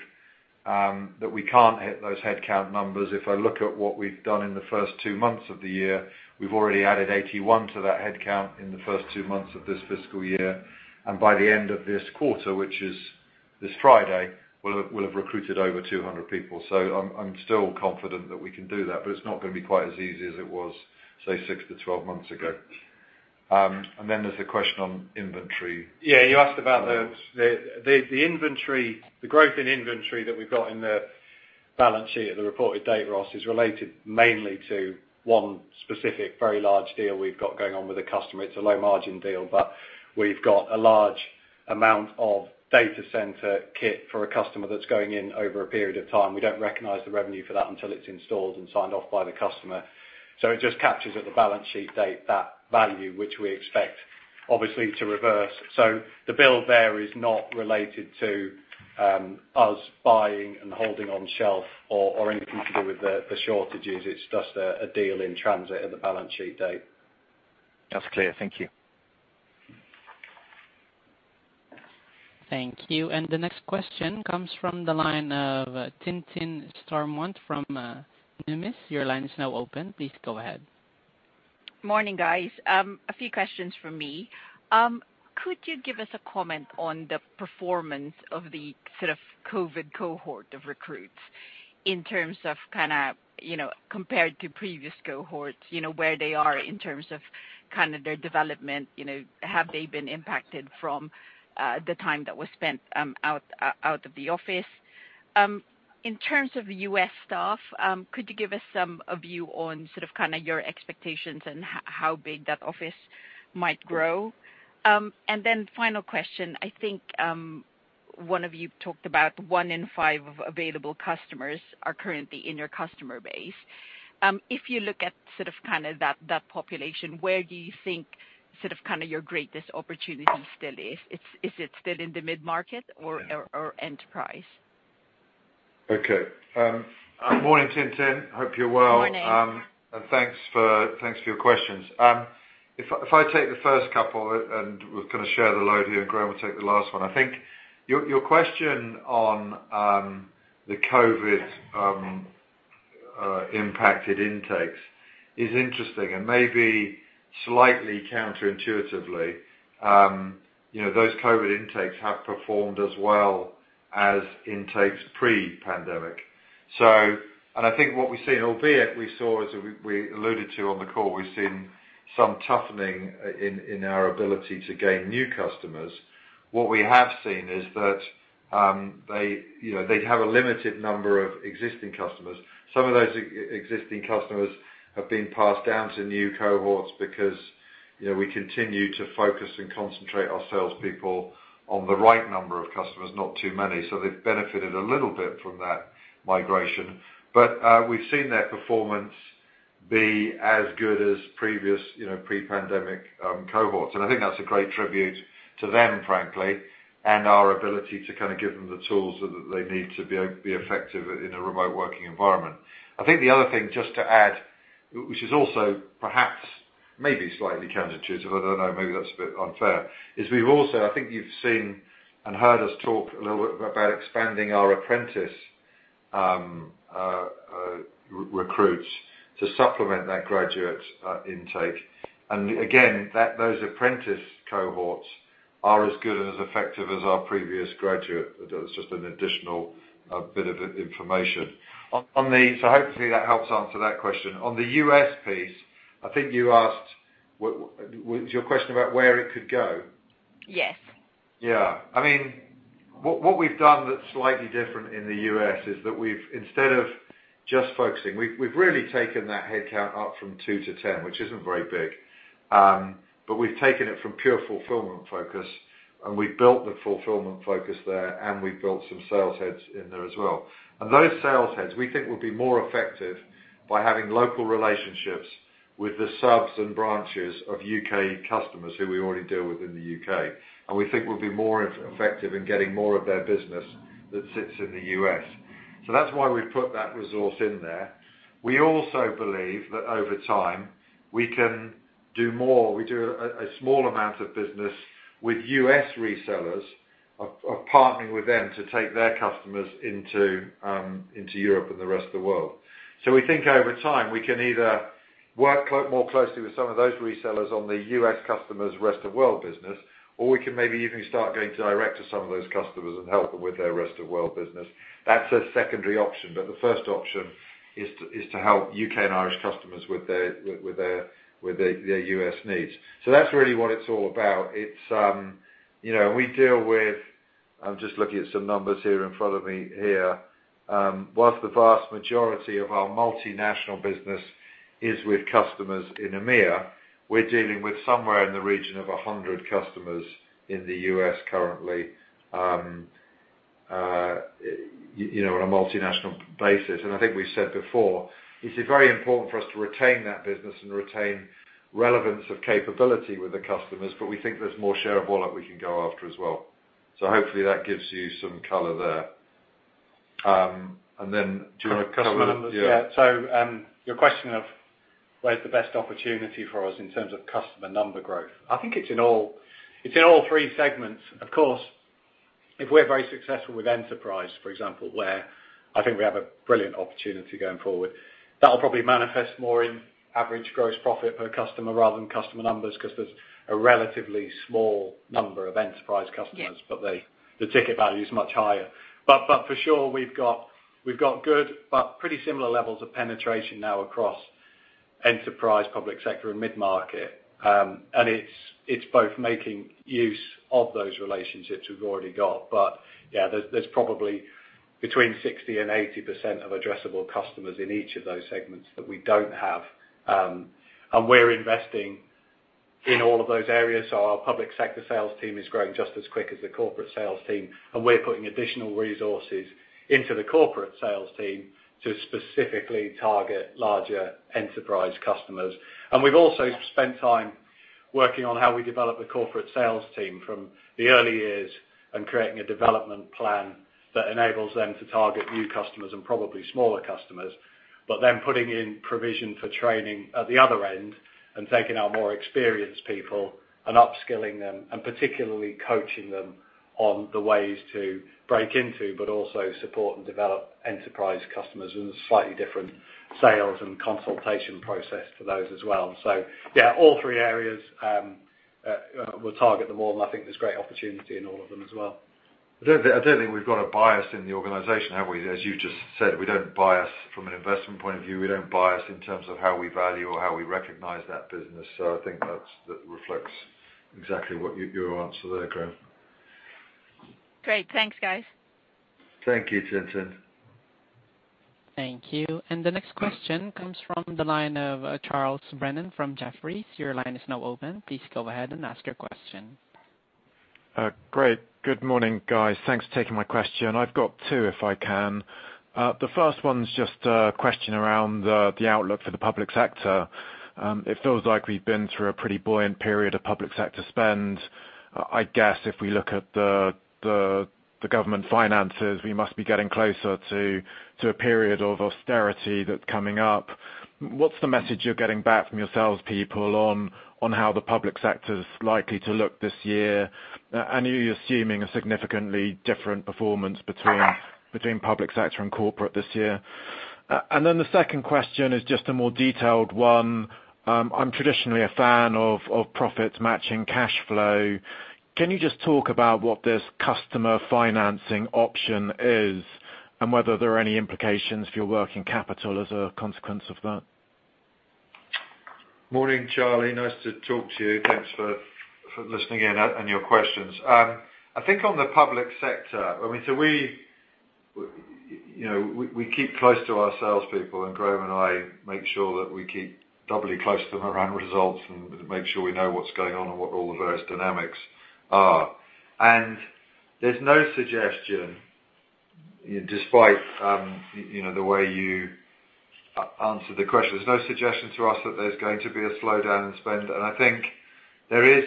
that we can't hit those headcount numbers. If I look at what we've done in the first two months of the year, we've already added 81 to that headcount in the first two months of this fiscal year. By the end of this quarter, which is this Friday, we'll have recruited over 200 people. I'm still confident that we can do that, but it's not gonna be quite as easy as it was, say, 6-12 months ago. There's the question on inventory. Yeah, you asked about the—the inventory, the growth in inventory that we've got in the balance sheet at the reported date, Ross, is related mainly to one specific very large deal we've got going on with a customer. It's a low margin deal, but we've got a large amount of data center kit for a customer that's going in over a period of time. We don't recognize the revenue for that until it's installed and signed off by the customer. It just captures at the balance sheet date that value which we expect obviously to reverse. The build there is not related to us buying and holding on shelf or anything to do with the shortages. It's just a deal in transit at the balance sheet date. That's clear. Thank you. Thank you. The next question comes from the line of Tintin Stormont from Numis. Your line is now open. Please go ahead. Morning, guys. A few questions from me. Could you give us a comment on the performance of the sort of COVID cohort of recruits in terms of kinda, you know, compared to previous cohorts, you know, where they are in terms of kinda their development? You know, have they been impacted from the time that was spent out of the office? In terms of the U.S. staff, could you give us some view on sort of, kinda your expectations and how big that office might grow? Then final question. I think one of you talked about one in five of available customers are currently in your customer base. If you look at sort of, kinda that population, where do you think sort of, kinda your greatest opportunity still is? Is it still in the mid-market or enterprise? Okay. Morning, Tintin. Hope you're well. Morning. Thanks for your questions. If I take the first couple and we'll kinda share the load here and Graham will take the last one. I think your question on the COVID impacted intakes is interesting and maybe slightly counterintuitively. You know, those COVID intakes have performed as well as intakes pre-pandemic. I think what we've seen, albeit we saw as we alluded to on the call, we've seen some toughening in our ability to gain new customers. What we have seen is that they, you know, they have a limited number of existing customers. Some of those existing customers have been passed down to new cohorts because, you know, we continue to focus and concentrate our salespeople on the right number of customers, not too many. They've benefited a little bit from that migration. We've seen their performance be as good as previous, you know, pre-pandemic cohorts. I think that's a great tribute to them, frankly, and our ability to kind of give them the tools that they need to be effective in a remote working environment. I think the other thing, just to add, which is also perhaps maybe slightly counterintuitive, I don't know, maybe that's a bit unfair, is we've also. I think you've seen and heard us talk a little bit about expanding our apprentice recruits to supplement that graduate intake. Again, those apprentice cohorts are as good and as effective as our previous graduate. That was just an additional bit of information. Hopefully that helps answer that question. On the U.S. piece, I think you asked what was your question about where it could go? Yes. Yeah. I mean, what we've done that's slightly different in the U.S. is that we've instead of just focusing, we've really taken that headcount up from 2 to 10, which isn't very big. We've taken it from pure fulfillment focus, and we built the fulfillment focus there, and we built some sales heads in there as well. Those sales heads, we think, will be more effective by having local relationships with the subs and branches of U.K. customers who we already deal with in the U.K. We think we'll be more effective in getting more of their business that sits in the U.S. That's why we've put that resource in there. We also believe that over time, we can do more. We do a small amount of business with U.S. resellers of partnering with them to take their customers into Europe and the rest of the world. We think over time, we can either work more closely with some of those resellers on the U.S. customers' rest-of-world business, or we can maybe even start going direct to some of those customers and help them with their rest-of-world business. That's a secondary option. The first option is to help U.K. and Irish customers with their U.S. needs. That's really what it's all about, you know. I'm just looking at some numbers here in front of me. While the vast majority of our multinational business is with customers in EMEA, we're dealing with somewhere in the region of 100 customers in the U.S. currently, you know, on a multinational basis. I think we said before, it is very important for us to retain that business and retain relevance of capability with the customers, but we think there's more share of wallet we can go after as well. Hopefully that gives you some color there. Then do you want to cover the- Customer numbers? Yeah. Yeah. Your question of where's the best opportunity for us in terms of customer number growth, I think it's in all three segments. Of course, if we're very successful with enterprise, for example, where I think we have a brilliant opportunity going forward, that'll probably manifest more in average gross profit per customer rather than customer numbers because there's a relatively small number of enterprise customers. Yeah. The ticket value is much higher. For sure, we've got good but pretty similar levels of penetration now across enterprise, public sector and mid-market. It's both making use of those relationships we've already got. Yeah, there's probably between 60% and 80% of addressable customers in each of those segments that we don't have. We're investing in all of those areas. Our public sector sales team is growing just as quick as the corporate sales team, and we're putting additional resources into the corporate sales team to specifically target larger enterprise customers. We've also spent time working on how we develop the corporate sales team from the early years and creating a development plan that enables them to target new customers and probably smaller customers. Putting in provision for training at the other end and taking our more experienced people and upskilling them and particularly coaching them on the ways to break into, but also support and develop enterprise customers and a slightly different sales and consultation process for those as well. Yeah, all three areas, we'll target them all, and I think there's great opportunity in all of them as well. I don't think we've got a bias in the organization, have we? As you just said, we don't bias from an investment point of view. We don't bias in terms of how we value or how we recognize that business. I think that reflects exactly your answer there, Graham. Great. Thanks, guys. Thank you, Tintin. Thank you. The next question comes from the line of Charles Brennan from Jefferies. Your line is now open. Please go ahead and ask your question. Great. Good morning, guys. Thanks for taking my question. I've got two, if I can. The first one's just a question around the outlook for the public sector. It feels like we've been through a pretty buoyant period of public sector spend. I'd guess if we look at the government finances, we must be getting closer to a period of austerity that's coming up. What's the message you're getting back from your salespeople on how the public sector's likely to look this year? And you're assuming a significantly different performance between public sector and corporate this year. And then the second question is just a more detailed one. I'm traditionally a fan of profits matching cash flow. Can you just talk about what this customer financing option is and whether there are any implications for your working capital as a consequence of that? Morning, Charlie. Nice to talk to you. Thanks for listening in and your questions. I think on the public sector, I mean, you know, we keep close to our salespeople, and Graham and I make sure that we keep doubly close to them around results and make sure we know what's going on and what all the various dynamics are. There's no suggestion, despite, you know, the way you answer the question, there's no suggestion to us that there's going to be a slowdown in spend. I think there is,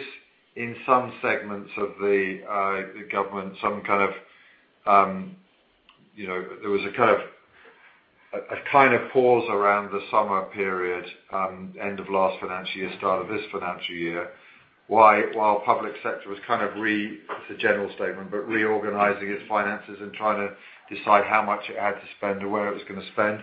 in some segments of the government, some kind of. You know, there was a kind of pause around the summer period, end of last financial year, start of this financial year, while public sector was kind of, it's a general statement, but reorganizing its finances and trying to decide how much it had to spend or where it was gonna spend.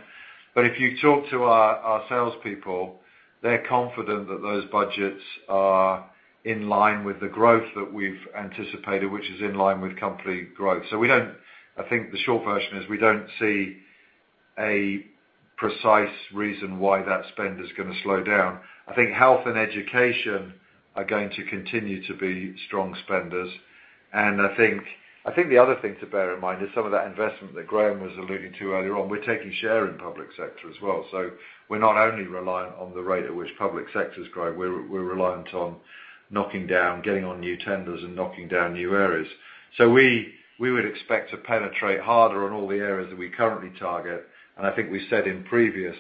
If you talk to our salespeople, they're confident that those budgets are in line with the growth that we've anticipated, which is in line with company growth. I think the short version is we don't see a precise reason why that spend is gonna slow down. I think health and education are going to continue to be strong spenders. I think the other thing to bear in mind is some of that investment that Graham was alluding to earlier on. We're taking share in public sector as well. We're not only reliant on the rate at which public sectors grow. We're reliant on knocking down, getting on new tenders and knocking down new areas. We would expect to penetrate harder on all the areas that we currently target. I think we said in previous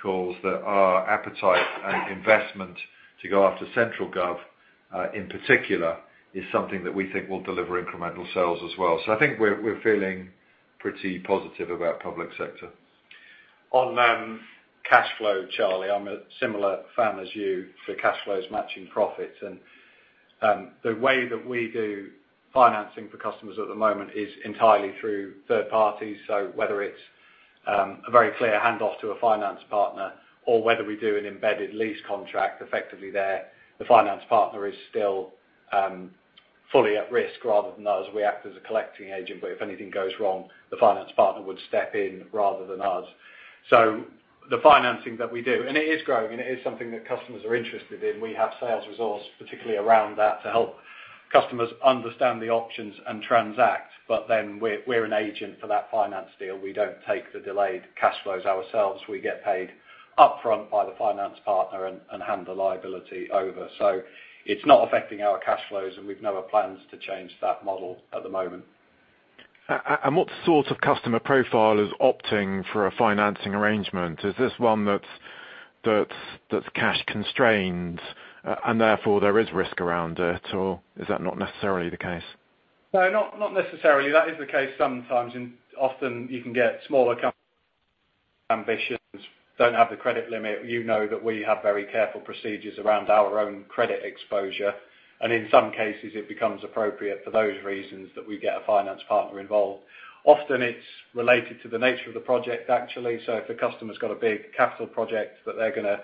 calls that our appetite and investment to go after central gov, in particular, is something that we think will deliver incremental sales as well. I think we're feeling pretty positive about public sector. On cash flow, Charles, I'm a similar fan as you for cash flows matching profits. The way that we do financing for customers at the moment is entirely through third parties. Whether it's a very clear hand off to a finance partner or whether we do an embedded lease contract, effectively there, the finance partner is still fully at risk rather than us. We act as a collecting agent, but if anything goes wrong, the finance partner would step in rather than us. The financing that we do, and it is growing, and it is something that customers are interested in. We have sales resource, particularly around that, to help customers understand the options and transact, but then we're an agent for that finance deal. We don't take the delayed cash flows ourselves. We get paid upfront by the finance partner and handle the liability over. It's not affecting our cash flows, and we've no plans to change that model at the moment. What sort of customer profile is opting for a financing arrangement? Is this one that's cash constrained and therefore there is risk around it, or is that not necessarily the case? No, not necessarily. That is the case sometimes. Often you can get smaller SMBs, don't have the credit limit. You know that we have very careful procedures around our own credit exposure, and in some cases, it becomes appropriate for those reasons that we get a finance partner involved. Often it's related to the nature of the project, actually. If a customer's got a big capital project that they're going to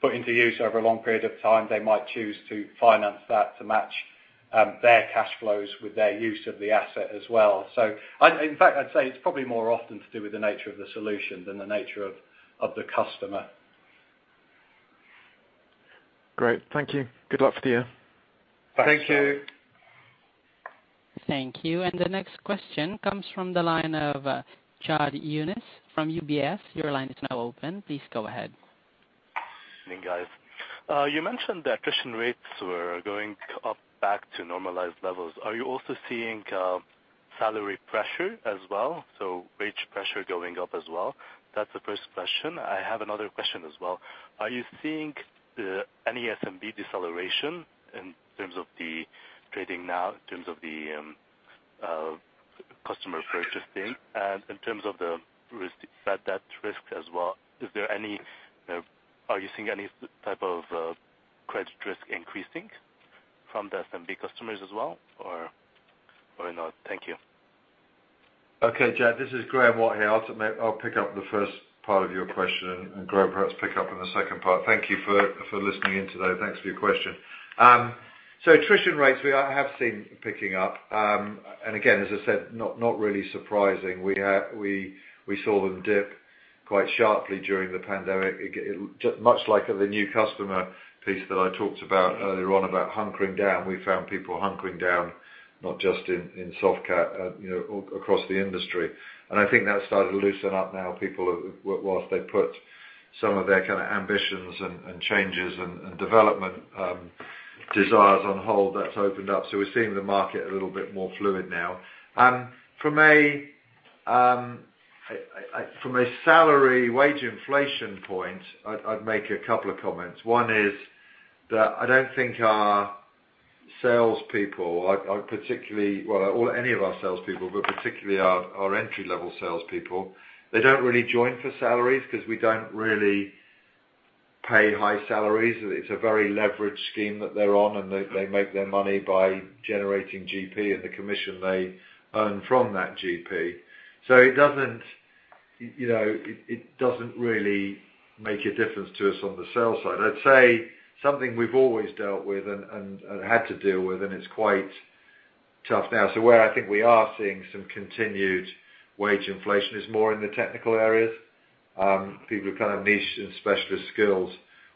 put into use over a long period of time, they might choose to finance that to match their cash flows with their use of the asset as well. In fact, I'd say it's probably more often to do with the nature of the solution than the nature of the customer. Great. Thank you. Good luck for the year. Thank you. Thanks. Thank you. The next question comes from the line of Jad Younes from UBS. Your line is now open. Please go ahead. Good evening, guys. You mentioned the attrition rates were going up back to normalized levels. Are you also seeing salary pressure as well? Wage pressure going up as well? That's the first question. I have another question as well. Are you seeing any SMB deceleration in terms of the trading now, in terms of the customer purchasing and in terms of the risk, bad debt risk as well? Are you seeing any type of credit risk increasing from the SMB customers as well, or not? Thank you. Okay, Jad, this is Graeme Watt here. I'll pick up the first part of your question, and Graham perhaps pick up on the second part. Thank you for listening in today. Thanks for your question. Attrition rates, we have seen picking up. Again, as I said, not really surprising. We saw them dip quite sharply during the pandemic. Much like the new customer piece that I talked about earlier on about hunkering down. We found people hunkering down, not just in Softcat, you know, across the industry. I think that started to loosen up now. Whilst they put some of their kinda ambitions and changes and development desires on hold, that's opened up. We're seeing the market a little bit more fluid now. From a salary wage inflation point, I'd make a couple of comments. One is that I don't think our salespeople, but particularly our entry-level salespeople, they don't really join for salaries because we don't really pay high salaries. It's a very leveraged scheme that they're on, and they make their money by generating GP and the commission they earn from that GP. It doesn't, you know, make a difference to us on the sales side. I'd say something we've always dealt with and had to deal with, and it's quite tough now. Where I think we are seeing some continued wage inflation is more in the technical areas, people with kind of niche and specialist skills.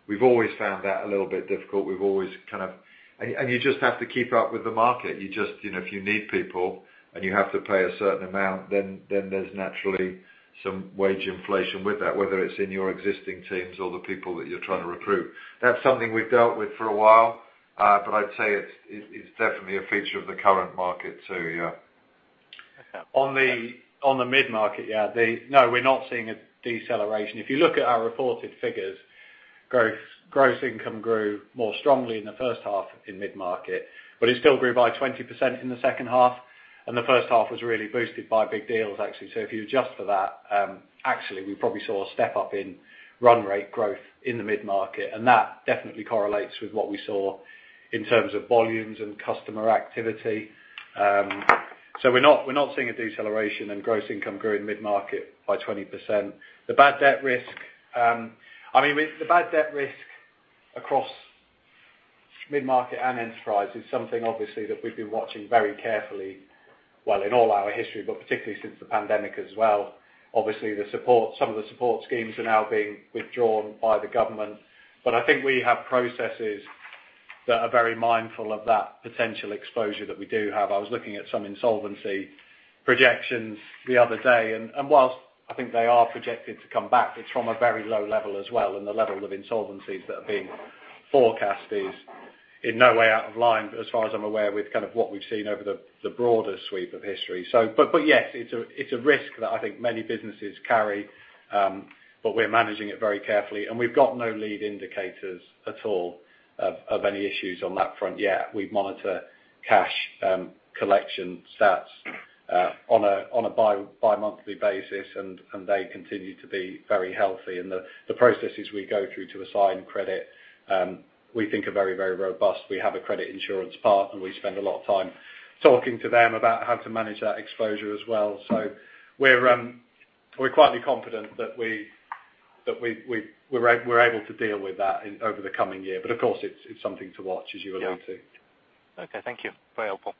We've always found that a little bit difficult. You just have to keep up with the market. You just, you know, if you need people and you have to pay a certain amount, then there's naturally some wage inflation with that, whether it's in your existing teams or the people that you're trying to recruit. That's something we've dealt with for a while, but I'd say it's definitely a feature of the current market too, yeah. On the mid-market, no, we're not seeing a deceleration. If you look at our reported figures, growth, gross income grew more strongly in the first half in mid-market, but it still grew by 20% in the second half, and the first half was really boosted by big deals, actually. If you adjust for that, actually we probably saw a step up in run rate growth in the mid-market, and that definitely correlates with what we saw in terms of volumes and customer activity. We're not seeing a deceleration and gross income grew in mid-market by 20%. The bad debt risk, I mean, with the bad debt risk across mid-market and enterprise is something obviously that we've been watching very carefully, well, in all our history, but particularly since the pandemic as well. Obviously, the support, some of the support schemes are now being withdrawn by the government. I think we have processes that are very mindful of that potential exposure that we do have. I was looking at some insolvency projections the other day, and whilst I think they are projected to come back, it's from a very low level as well, and the level of insolvencies that are being forecast is in no way out of line, but as far as I'm aware with kind of what we've seen over the broader sweep of history. Yes, it's a risk that I think many businesses carry, but we're managing it very carefully. We've got no lead indicators at all of any issues on that front yet. We monitor cash collection stats on a bi-monthly basis, and they continue to be very healthy. The processes we go through to assign credit we think are very robust. We have a credit insurance partner. We spend a lot of time talking to them about how to manage that exposure as well. We're quietly confident that we're able to deal with that over the coming year. Of course it's something to watch as you allude to. Yeah. Okay. Thank you. Very helpful.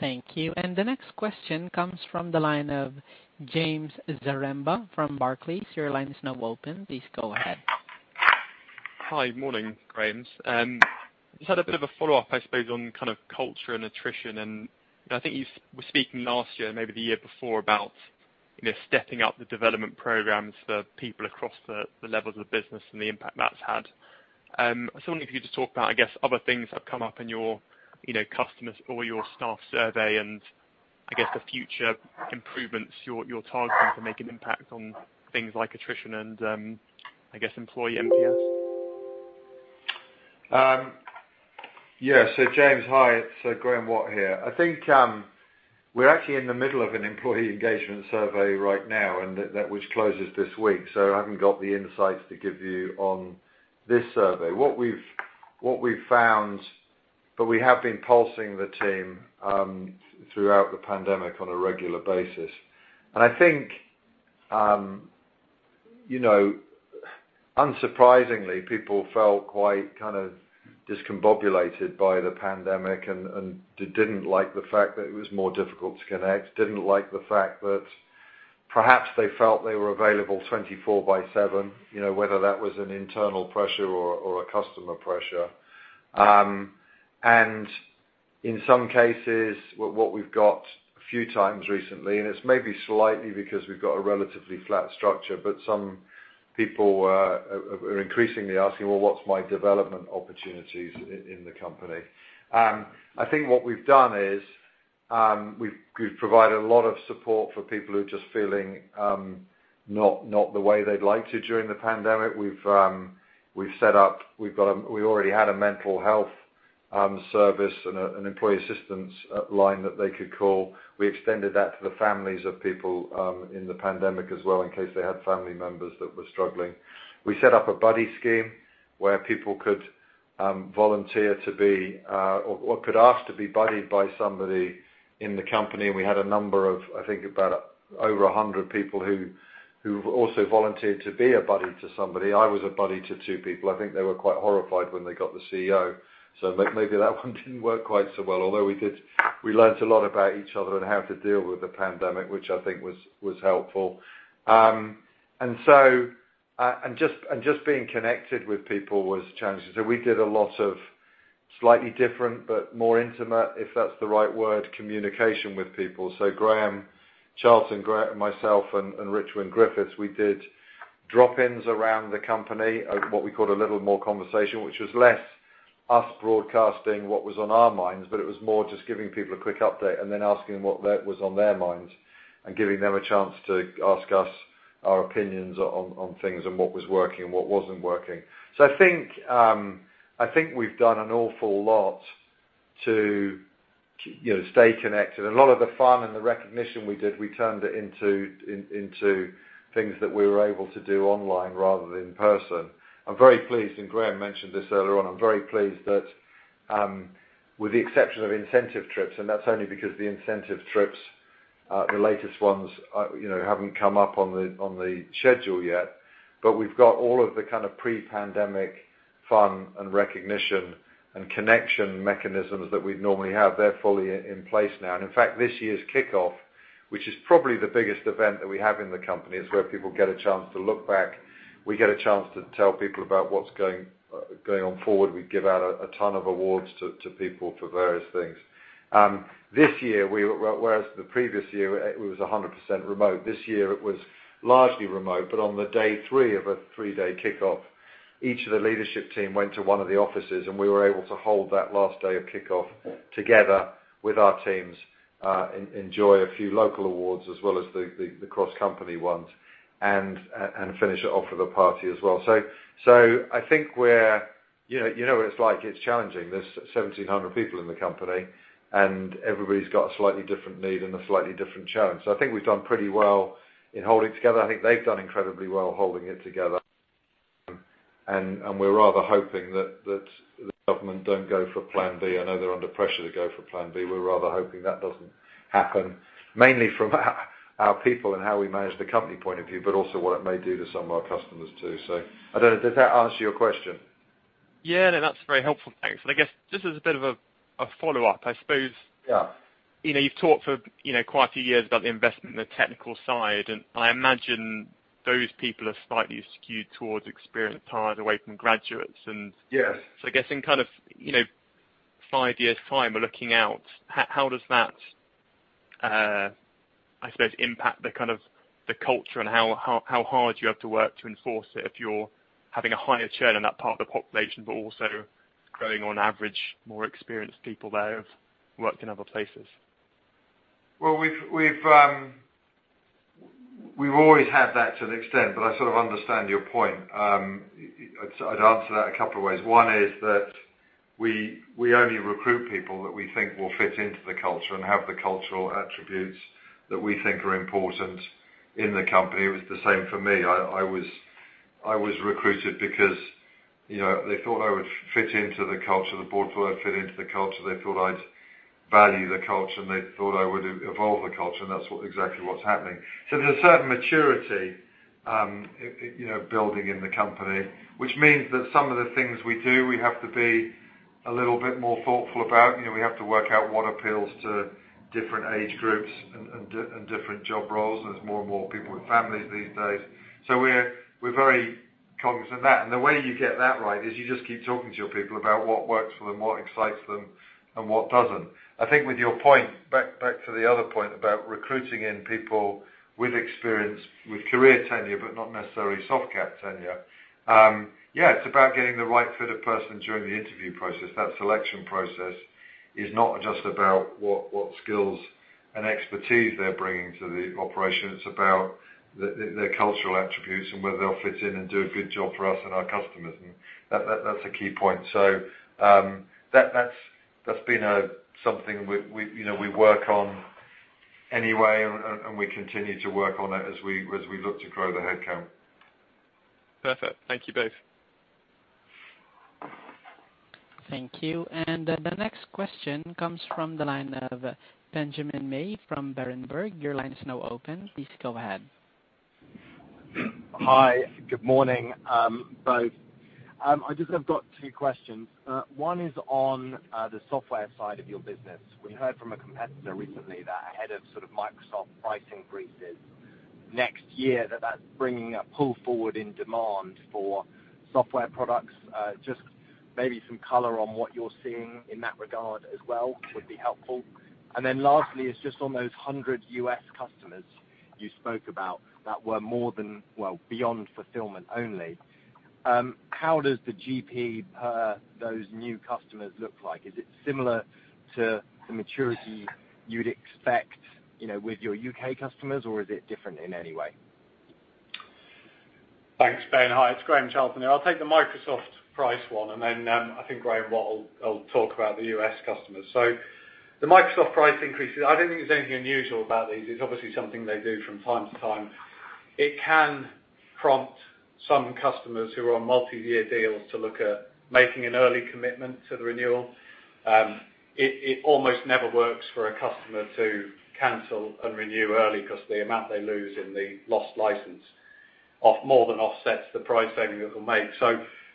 Thank you. The next question comes from the line of James Zaremba from Barclays. Your line is now open. Please go ahead. Hi. Morning, Graeme. Just had a bit of a follow-up, I suppose, on kind of culture and attrition. I think you were speaking last year, maybe the year before about, you know, stepping up the development programs for people across the levels of business and the impact that's had. I was wondering if you could just talk about, I guess, other things that have come up in your, you know, customers or your staff survey and I guess the future improvements you're targeting to make an impact on things like attrition and, I guess, employee NPS. James, hi. It's Graeme Watt here. I think we're actually in the middle of an employee engagement survey right now and that which closes this week, so I haven't got the insights to give you on this survey. What we've found, but we have been pulsing the team throughout the pandemic on a regular basis. I think you know, unsurprisingly, people felt quite kind of discombobulated by the pandemic and didn't like the fact that it was more difficult to connect, didn't like the fact that perhaps they felt they were available 24/7, you know, whether that was an internal pressure or a customer pressure. In some cases, what we've got a few times recently, and it's maybe slightly because we've got a relatively flat structure, but some people are increasingly asking, "Well, what's my development opportunities in the company?" I think what we've done is, we've provided a lot of support for people who are just feeling not the way they'd like to during the pandemic. We already had a mental health service and an employee assistance line that they could call. We extended that to the families of people in the pandemic as well, in case they had family members that were struggling. We set up a buddy scheme where people could volunteer to be or could ask to be buddied by somebody in the company. We had a number of, I think about over 100 people who also volunteered to be a buddy to somebody. I was a buddy to two people. I think they were quite horrified when they got the CEO. Maybe that one didn't work quite so well, although we learned a lot about each other and how to deal with the pandemic, which I think was helpful. Being connected with people was challenging. We did a lot of slightly different but more intimate, if that's the right word, communication with people. Graham Charlton, myself and Richard Griffiths, we did drop-ins around the company of what we called a little more conversation, which was less us broadcasting what was on our minds, but it was more just giving people a quick update and then asking what was on their minds and giving them a chance to ask us our opinions on things and what was working and what wasn't working. I think we've done an awful lot to, you know, stay connected. A lot of the fun and the recognition we did, we turned it into things that we were able to do online rather than in person. I'm very pleased, and Graham mentioned this earlier on, I'm very pleased that, with the exception of incentive trips, and that's only because the incentive trips, the latest ones, you know, haven't come up on the schedule yet. We've got all of the kind of pre-pandemic fun and recognition and connection mechanisms that we'd normally have. They're fully in place now. In fact, this year's kickoff, which is probably the biggest event that we have in the company, it's where people get a chance to look back. We get a chance to tell people about what's going on forward. We give out a ton of awards to people for various things. This year, whereas the previous year it was 100% remote. This year it was largely remote, but on the day three of a three-day kickoff, each of the leadership team went to one of the offices, and we were able to hold that last day of kickoff together with our teams, enjoy a few local awards as well as the cross-company ones and finish it off with a party as well. I think we're. You know what it's like, it's challenging. There's 1,700 people in the company, and everybody's got a slightly different need and a slightly different challenge. I think we've done pretty well in holding together. I think they've done incredibly well holding it together. We're rather hoping that the government don't go for Plan B. I know they're under pressure to go for Plan B. We're rather hoping that doesn't happen, mainly from our people and how we manage the company point of view, but also what it may do to some of our customers, too. I don't know, does that answer your question? Yeah, no, that's very helpful. Thanks. I guess just as a bit of a follow-up, I suppose. Yeah. You know, you've talked for, you know, quite a few years about the investment in the technical side, and I imagine those people are slightly skewed towards experienced hires away from graduates. Yes. I guess in kind of, you know, five years' time, we're looking out, how does that, I suppose impact the kind of, the culture and how hard you have to work to enforce it if you're having a higher churn in that part of the population, but also growing on average more experienced people there who've worked in other places? Well, we've always had that to an extent, but I sort of understand your point. I'd answer that a couple of ways. One is that we only recruit people that we think will fit into the culture and have the cultural attributes that we think are important in the company. It was the same for me. I was recruited because, you know, they thought I would fit into the culture, the board thought I'd fit into the culture, they thought I'd value the culture, and they thought I would evolve the culture, and that's exactly what's happening. There's a certain maturity, you know, building in the company, which means that some of the things we do, we have to be a little bit more thoughtful about. You know, we have to work out what appeals to different age groups and different job roles, and there's more and more people with families these days. We're very cognizant of that. The way you get that right is you just keep talking to your people about what works for them, what excites them, and what doesn't. I think with your point, back to the other point about recruiting people with experience, with career tenure, but not necessarily Softcat tenure, it's about getting the right fit of person during the interview process. That selection process is not just about what skills and expertise they're bringing to the operation. It's about the cultural attributes and whether they'll fit in and do a good job for us and our customers. That's a key point. That's been something we you know we work on anyway, and we continue to work on it as we look to grow the head count. Perfect. Thank you both. Thank you. The next question comes from the line of Benjamin May from Berenberg. Your line is now open. Please go ahead. Hi. Good morning, both. I just have got two questions. One is on the software side of your business. We heard from a competitor recently that ahead of sort of Microsoft price increases next year, that that's bringing a pull forward in demand for software products. Just maybe some color on what you're seeing in that regard as well would be helpful. Then lastly is just on those 100 U.S. customers you spoke about that were more than, well, beyond fulfillment only. How does the GP per those new customers look like? Is it similar to the maturity you'd expect, you know, with your U.K. customers, or is it different in any way? Thanks, Ben. Hi, it's Graham Charlton here. I'll take the Microsoft price one, and then I think Graeme Watt will talk about the U.S. customers. The Microsoft price increases, I don't think there's anything unusual about these. It's obviously something they do from time to time. It can prompt some customers who are on multi-year deals to look at making an early commitment to the renewal. It almost never works for a customer to cancel and renew early 'cause the amount they lose in the lost license more than offsets the price saving that they'll make.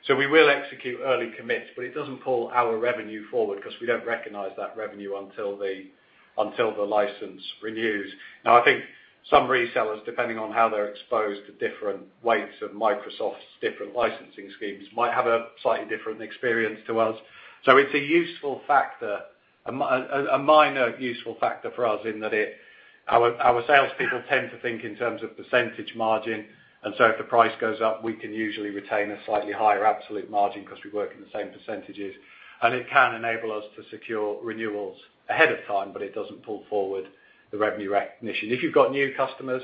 We will execute early commits, but it doesn't pull our revenue forward 'cause we don't recognize that revenue until the license renews. Now, I think some resellers, depending on how they're exposed to different weights of Microsoft's different licensing schemes, might have a slightly different experience to us. It's a useful factor, a minor useful factor for us in that it our sales people tend to think in terms of percentage margin, and so if the price goes up, we can usually retain a slightly higher absolute margin 'cause we work in the same percentages. It can enable us to secure renewals ahead of time, but it doesn't pull forward the revenue recognition. If you've got new customers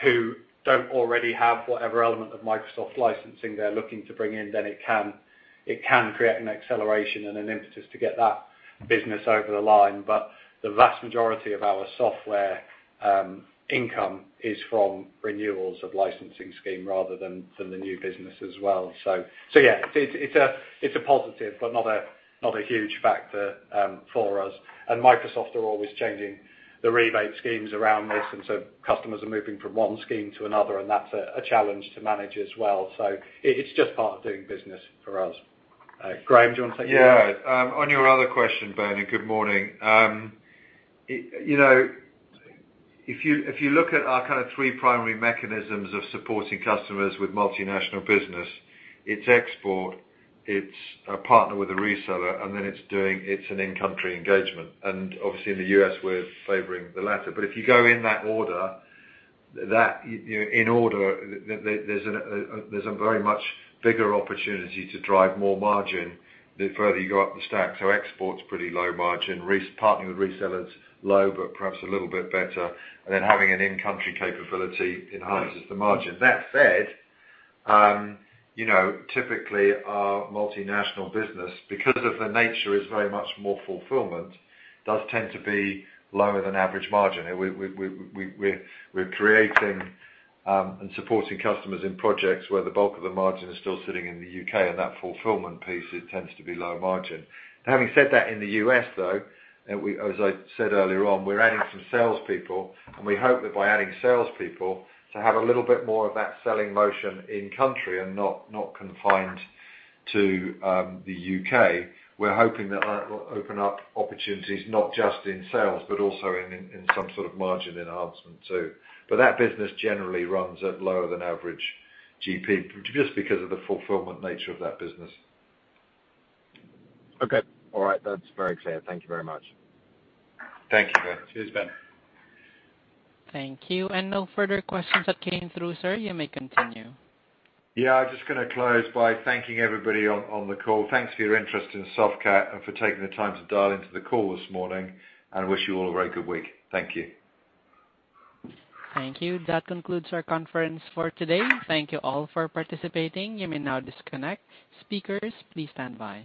who don't already have whatever element of Microsoft licensing they're looking to bring in, then it can create an acceleration and an impetus to get that business over the line. The vast majority of our software income is from renewals of licensing scheme rather than from the new business as well. Yeah, it's a positive but not a huge factor for us. Microsoft are always changing the rebate schemes around this, and customers are moving from one scheme to another, and that's a challenge to manage as well. It's just part of doing business for us. Graeme, do you want to take that? Yeah. On your other question, Bernie, good morning. You know, if you look at our kind of three primary mechanisms of supporting customers with multinational business, it's export, it's a partner with a reseller, and then it's an in-country engagement. Obviously in the U.S., we're favoring the latter. If you go in that order, in order, there's a very much bigger opportunity to drive more margin the further you go up the stack. Export's pretty low margin, partnering with resellers, low, but perhaps a little bit better. Then having an in-country capability enhances the margin. That said, you know, typically our multinational business, because of the nature is very much more fulfillment, does tend to be lower than average margin. We're creating and supporting customers in projects where the bulk of the margin is still sitting in the U.K. and that fulfillment piece, it tends to be low margin. Having said that, in the U.S., though, as I said earlier on, we're adding some salespeople, and we hope that by adding salespeople, to have a little bit more of that selling motion in country and not confined to the U.K., we're hoping that will open up opportunities not just in sales, but also in some sort of margin enhancement too. But that business generally runs at lower than average GP, just because of the fulfillment nature of that business. Okay. All right. That's very clear. Thank you very much. Thank you, Ben. Cheers, Ben. Thank you. No further questions that came through, sir. You may continue. Yeah, I'm just gonna close by thanking everybody on the call. Thanks for your interest in Softcat and for taking the time to dial into the call this morning. I wish you all a very good week. Thank you. Thank you. That concludes our conference for today. Thank you all for participating. You may now disconnect. Speakers, please stand by.